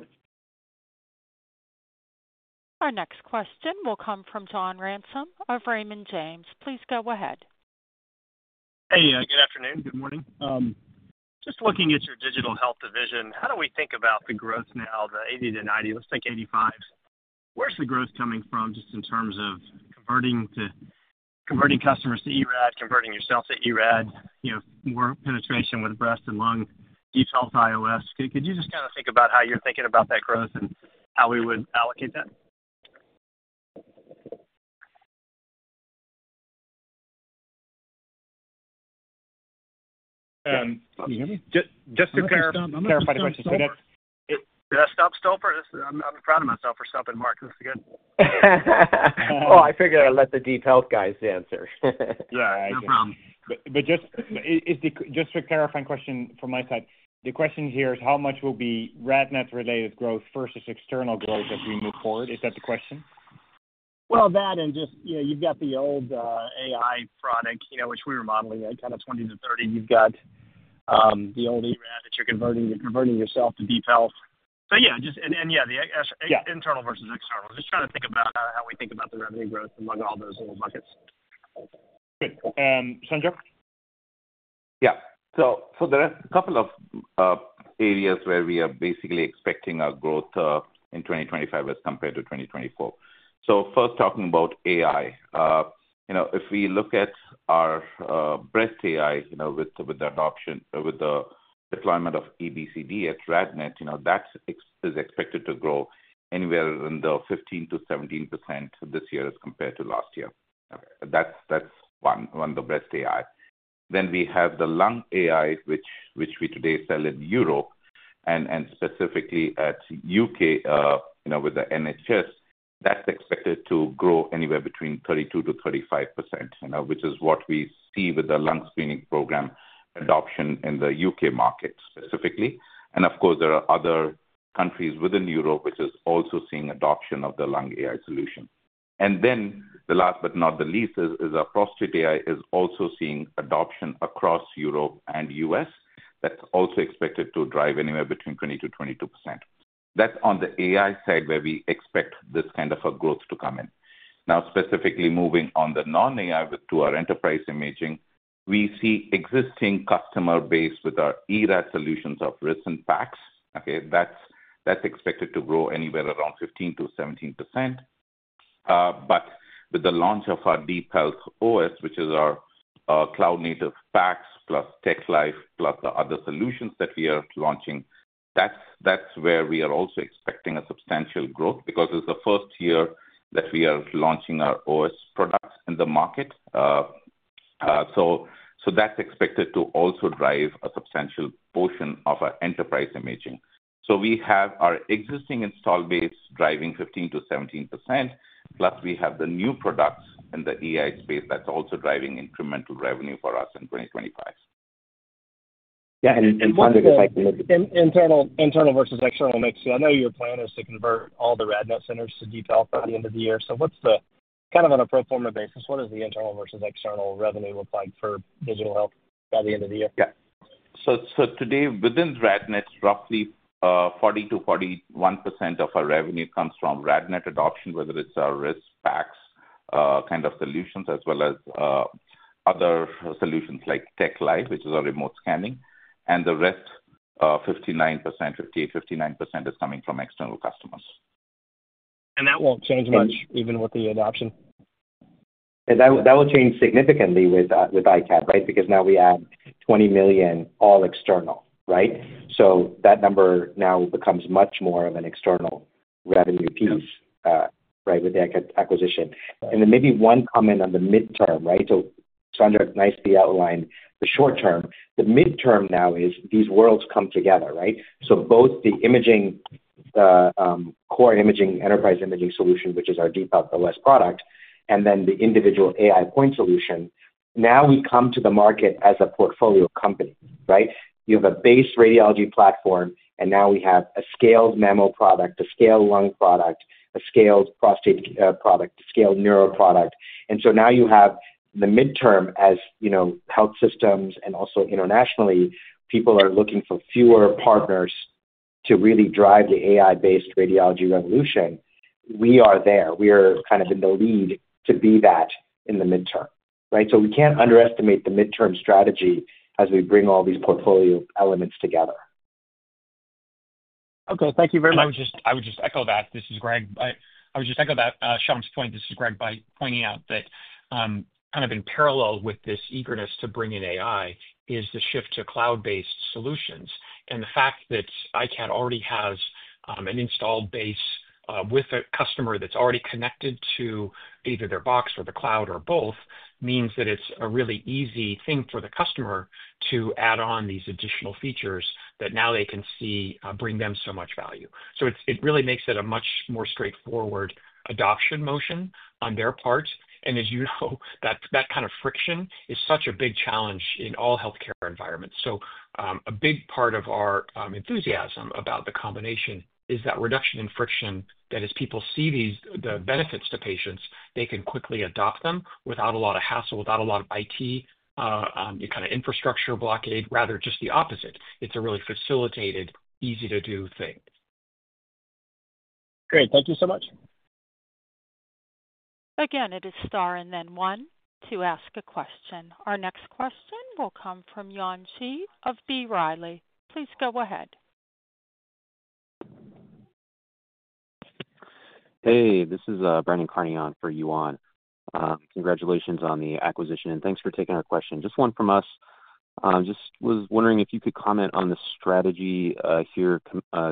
Our next question will come from John Ransom of Raymond James. Please go ahead. Hey, good afternoon. Good morning. Just looking at your digital health division, how do we think about the growth now, the 80-90? Let's think 85. Where's the growth coming from just in terms of converting customers to eRAD, converting yourself to eRAD, more penetration with breast and lung, DeepHealth OS? Could you just kind of think about how you're thinking about that growth and how we would allocate that? Can you hear me? Just to clarify the question. Did I stop stopping? Did I stop stopping? I'm proud of myself for stopping, Mark. This is good. Oh, I figured I'd let the DeepHealth guys answer. Yeah, no problem. Just to clarify the question from my side, the question here is how much will be RadNet-related growth versus external growth as we move forward? Is that the question? That and just you've got the old AI product, which we were modeling at kind of 20-30. You've got the old eRAD that you're converting yourself to DeepHealth. Yeah, and yeah, the internal versus external. Just trying to think about how we think about the revenue growth among all those little buckets. Good. Sanjog? Yeah. There are a couple of areas where we are basically expecting our growth in 2025 as compared to 2024. First, talking about AI. If we look at our breast AI with the adoption, with the deployment of EBCD at RadNet, that is expected to grow anywhere in the 15%-17% this year as compared to last year. That's one, the breast AI. We have the lung AI, which we today sell in Europe and specifically at the U.K. with the NHS. That's expected to grow anywhere between 32%-35%, which is what we see with the lung screening program adoption in the U.K. market specifically. Of course, there are other countries within Europe which are also seeing adoption of the lung AI solution. The last but not the least is our prostate AI is also seeing adoption across Europe and US. That's also expected to drive anywhere between 20-22%. That's on the AI side where we expect this kind of growth to come in. Now, specifically moving on the non-AI to our enterprise imaging, we see existing customer base with our eRAD solutions of RIS and PACS. Okay? That's expected to grow anywhere around 15-17%. With the launch of our DeepHealth OS, which is our cloud-native PACS plus TechLive plus the other solutions that we are launching, that's where we are also expecting a substantial growth because it's the first year that we are launching our OS products in the market. That's expected to also drive a substantial portion of our enterprise imaging. We have our existing installed base driving 15-17%, plus we have the new products in the EI space that's also driving incremental revenue for us in 2025. Yeah. One thing if I can— Internal versus external mix. I know your plan is to convert all the RadNet centers to DeepHealth by the end of the year. On a pro forma basis, what does the internal versus external revenue look like for digital health by the end of the year? Yeah. Today, within RadNet, roughly 40-41% of our revenue comes from RadNet adoption, whether it's our RIS, PACS kind of solutions, as well as other solutions like TechLive, which is our remote scanning. The rest, 58-59% is coming from external customers. That won't change much even with the adoption? That will change significantly with iCAD, right? Because now we add $20 million all external, right? So that number now becomes much more of an external revenue piece, right, with the acquisition. Maybe one comment on the midterm, right? Sanjog nicely outlined the short term. The midterm now is these worlds come together, right? Both the core imaging enterprise imaging solution, which is our DeepHealth OS product, and then the individual AI point solution. Now we come to the market as a portfolio company, right? You have a base radiology platform, and now we have a scaled memo product, a scaled lung product, a scaled prostate product, a scaled neuro product. Now you have the midterm as health systems and also internationally, people are looking for fewer partners to really drive the AI-based radiology revolution. We are there. We are kind of in the lead to be that in the midterm, right? We can't underestimate the midterm strategy as we bring all these portfolio elements together. Okay. Thank you very much. I would just echo that. This is Greg. I would just echo Sham's point. This is Greg by pointing out that kind of in parallel with this eagerness to bring in AI is the shift to cloud-based solutions. The fact that iCAD already has an installed base with a customer that's already connected to either their box or the cloud or both means that it's a really easy thing for the customer to add on these additional features that now they can see bring them so much value. It really makes it a much more straightforward adoption motion on their part. As you know, that kind of friction is such a big challenge in all healthcare environments. A big part of our enthusiasm about the combination is that reduction in friction that as people see the benefits to patients, they can quickly adopt them without a lot of hassle, without a lot of IT kind of infrastructure blockade, rather just the opposite. It's a really facilitated, easy-to-do thing. Great. Thank you so much. Again, it is star and then one to ask a question. Our next question will come from Yuan Zhi of B. Riley. Please go ahead. Hey, this is Brandon Carney for Yuan. Congratulations on the acquisition. Thanks for taking our question. Just one from us. Just was wondering if you could comment on the strategy here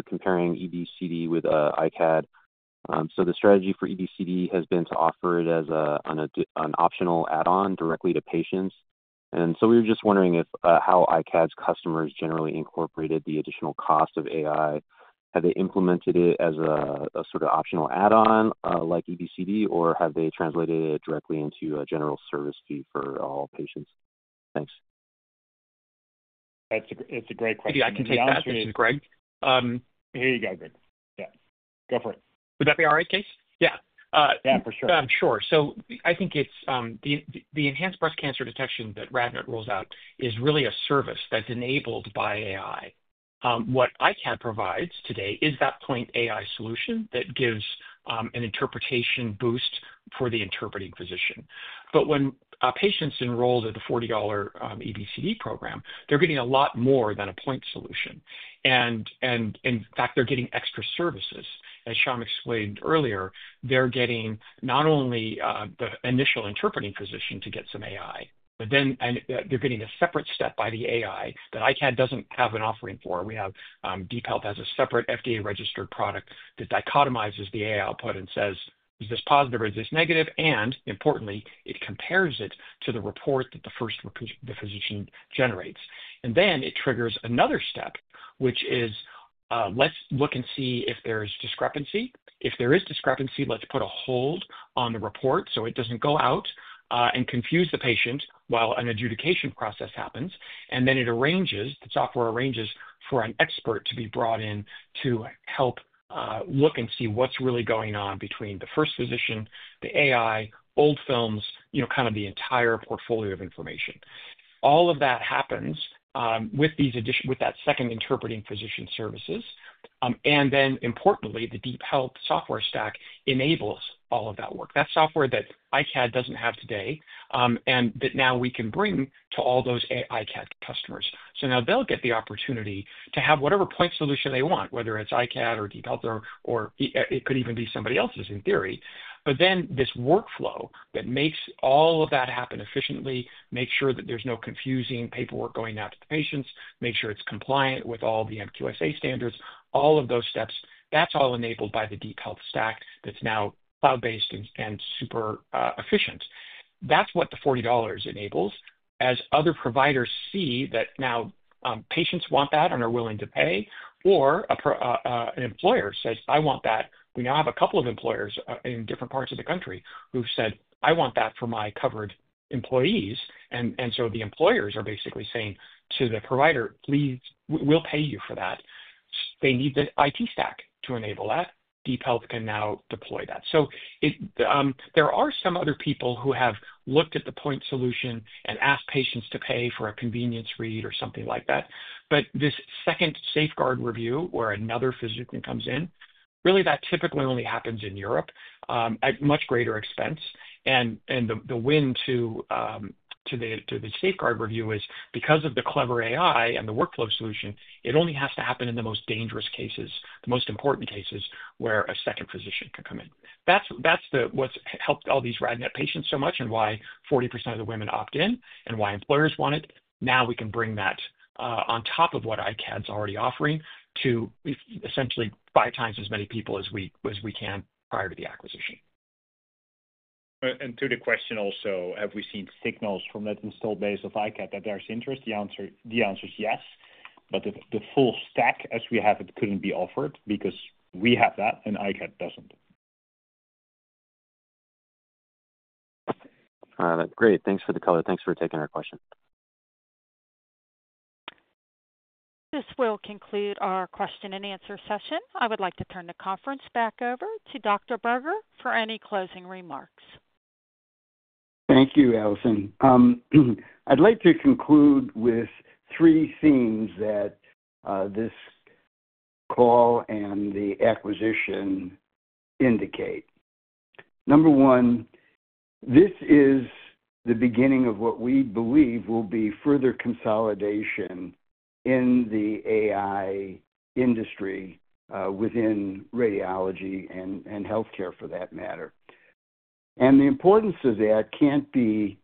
comparing EBCD with iCAD. The strategy for EBCD has been to offer it as an optional add-on directly to patients. We were just wondering how iCAD's customers generally incorporated the additional cost of AI. Have they implemented it as a sort of optional add-on like EBCD, or have they translated it directly into a general service fee for all patients? Thanks. That's a great question. Yeah, I can take that question, Greg. Here you go, Greg. Yeah. Go for it. Would that be all right, Kees? Yeah. Yeah, for sure. Sure. I think the enhanced breast cancer detection that RadNet rolls out is really a service that's enabled by AI. What iCAD provides today is that point AI solution that gives an interpretation boost for the interpreting physician. When patients enrolled at the $40 EBCD program, they're getting a lot more than a point solution. In fact, they're getting extra services. As Sham explained earlier, they're getting not only the initial interpreting physician to get some AI, but then they're getting a separate step by the AI that iCAD doesn't have an offering for. We have DeepHealth as a separate FDA-registered product that dichotomizes the AI output and says, "Is this positive or is this negative?" Importantly, it compares it to the report that the physician generates. It triggers another step, which is, "Let's look and see if there is discrepancy. If there is discrepancy, let's put a hold on the report so it doesn't go out and confuse the patient while an adjudication process happens. It arranges, the software arranges for an expert to be brought in to help look and see what's really going on between the first physician, the AI, old films, kind of the entire portfolio of information. All of that happens with that second interpreting physician services. Importantly, the DeepHealth software stack enables all of that work. That's software that iCAD doesn't have today and that now we can bring to all those iCAD customers. Now they'll get the opportunity to have whatever point solution they want, whether it's iCAD or DeepHealth, or it could even be somebody else's in theory. Then this workflow that makes all of that happen efficiently, makes sure that there's no confusing paperwork going out to the patients, makes sure it's compliant with all the MQSA standards, all of those steps, that's all enabled by the DeepHealth stack that's now cloud-based and super efficient. That's what the $40 enables. As other providers see that now patients want that and are willing to pay, or an employer says, "I want that." We now have a couple of employers in different parts of the country who've said, "I want that for my covered employees." The employers are basically saying to the provider, "Please, we'll pay you for that." They need the IT stack to enable that. DeepHealth can now deploy that. There are some other people who have looked at the point solution and asked patients to pay for a convenience read or something like that. This second safeguard review where another physician comes in, really that typically only happens in Europe at much greater expense. The win to the safeguard review is because of the clever AI and the workflow solution, it only has to happen in the most dangerous cases, the most important cases where a second physician can come in. That's what's helped all these RadNet patients so much and why 40% of the women opt in and why employers want it. Now we can bring that on top of what iCAD's already offering to essentially five times as many people as we can prior to the acquisition. To the question also, have we seen signals from that installed base of iCAD that there's interest? The answer is yes. The full stack as we have it couldn't be offered because we have that and iCAD doesn't. Great. Thanks for the color. Thanks for taking our question. This will conclude our question and answer session. I would like to turn the conference back over to Dr. Berger for any closing remarks. Thank you, Alison. I'd like to conclude with three themes that this call and the acquisition indicate. Number one, this is the beginning of what we believe will be further consolidation in the AI industry within radiology and healthcare for that matter. The importance of that can't be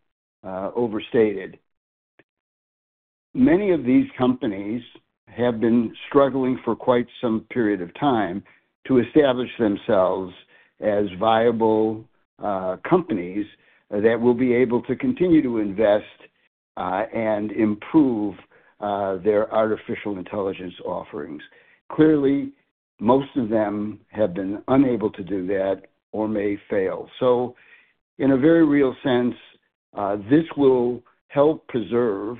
overstated. Many of these companies have been struggling for quite some period of time to establish themselves as viable companies that will be able to continue to invest and improve their artificial intelligence offerings. Clearly, most of them have been unable to do that or may fail. In a very real sense, this will help preserve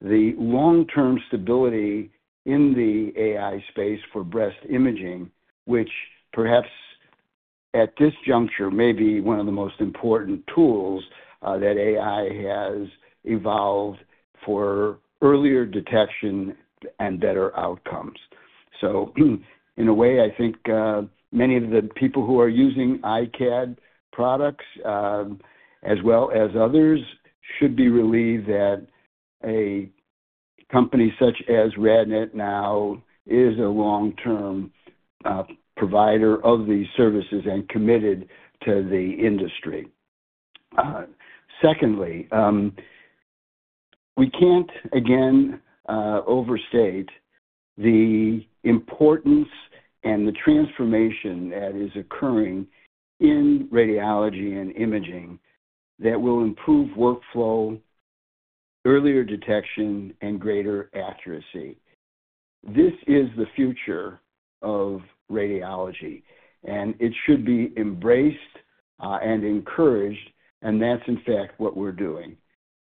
the long-term stability in the AI space for breast imaging, which perhaps at this juncture may be one of the most important tools that AI has evolved for earlier detection and better outcomes. In a way, I think many of the people who are using iCAD products as well as others should be relieved that a company such as RadNet now is a long-term provider of these services and committed to the industry. Secondly, we can't again overstate the importance and the transformation that is occurring in radiology and imaging that will improve workflow, earlier detection, and greater accuracy. This is the future of radiology, and it should be embraced and encouraged, and that's in fact what we're doing.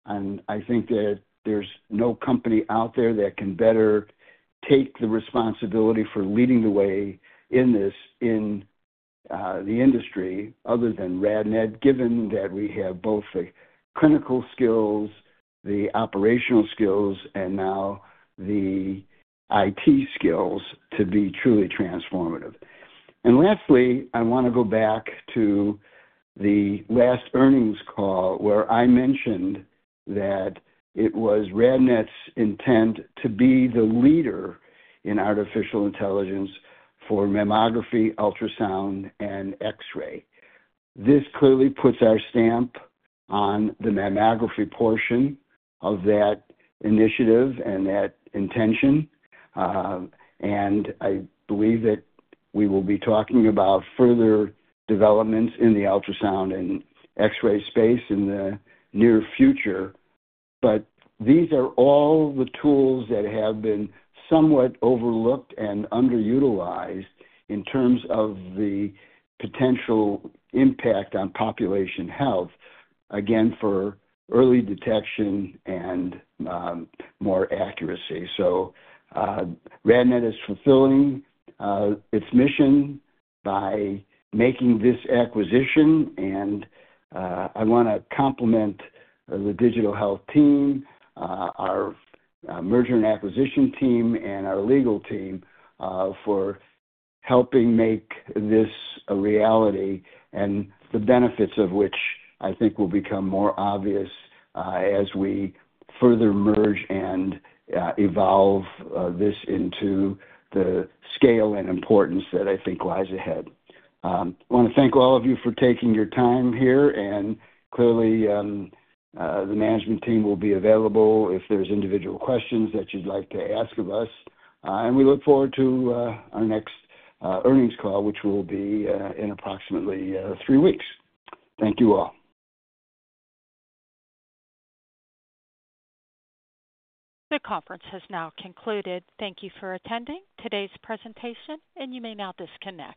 I think that there's no company out there that can better take the responsibility for leading the way in this in the industry other than RadNet, given that we have both the clinical skills, the operational skills, and now the IT skills to be truly transformative. Lastly, I want to go back to the last earnings call where I mentioned that it was RadNet's intent to be the leader in artificial intelligence for mammography, ultrasound, and X-ray. This clearly puts our stamp on the mammography portion of that initiative and that intention. I believe that we will be talking about further developments in the ultrasound and X-ray space in the near future. These are all the tools that have been somewhat overlooked and underutilized in terms of the potential impact on population health, again, for early detection and more accuracy. RadNet is fulfilling its mission by making this acquisition. I want to compliment the Digital Health team, our merger and acquisition team, and our legal team for helping make this a reality, and the benefits of which I think will become more obvious as we further merge and evolve this into the scale and importance that I think lies ahead. I want to thank all of you for taking your time here. Clearly, the management team will be available if there's individual questions that you'd like to ask of us. We look forward to our next earnings call, which will be in approximately three weeks. Thank you all. The conference has now concluded. Thank you for attending today's presentation, and you may now disconnect.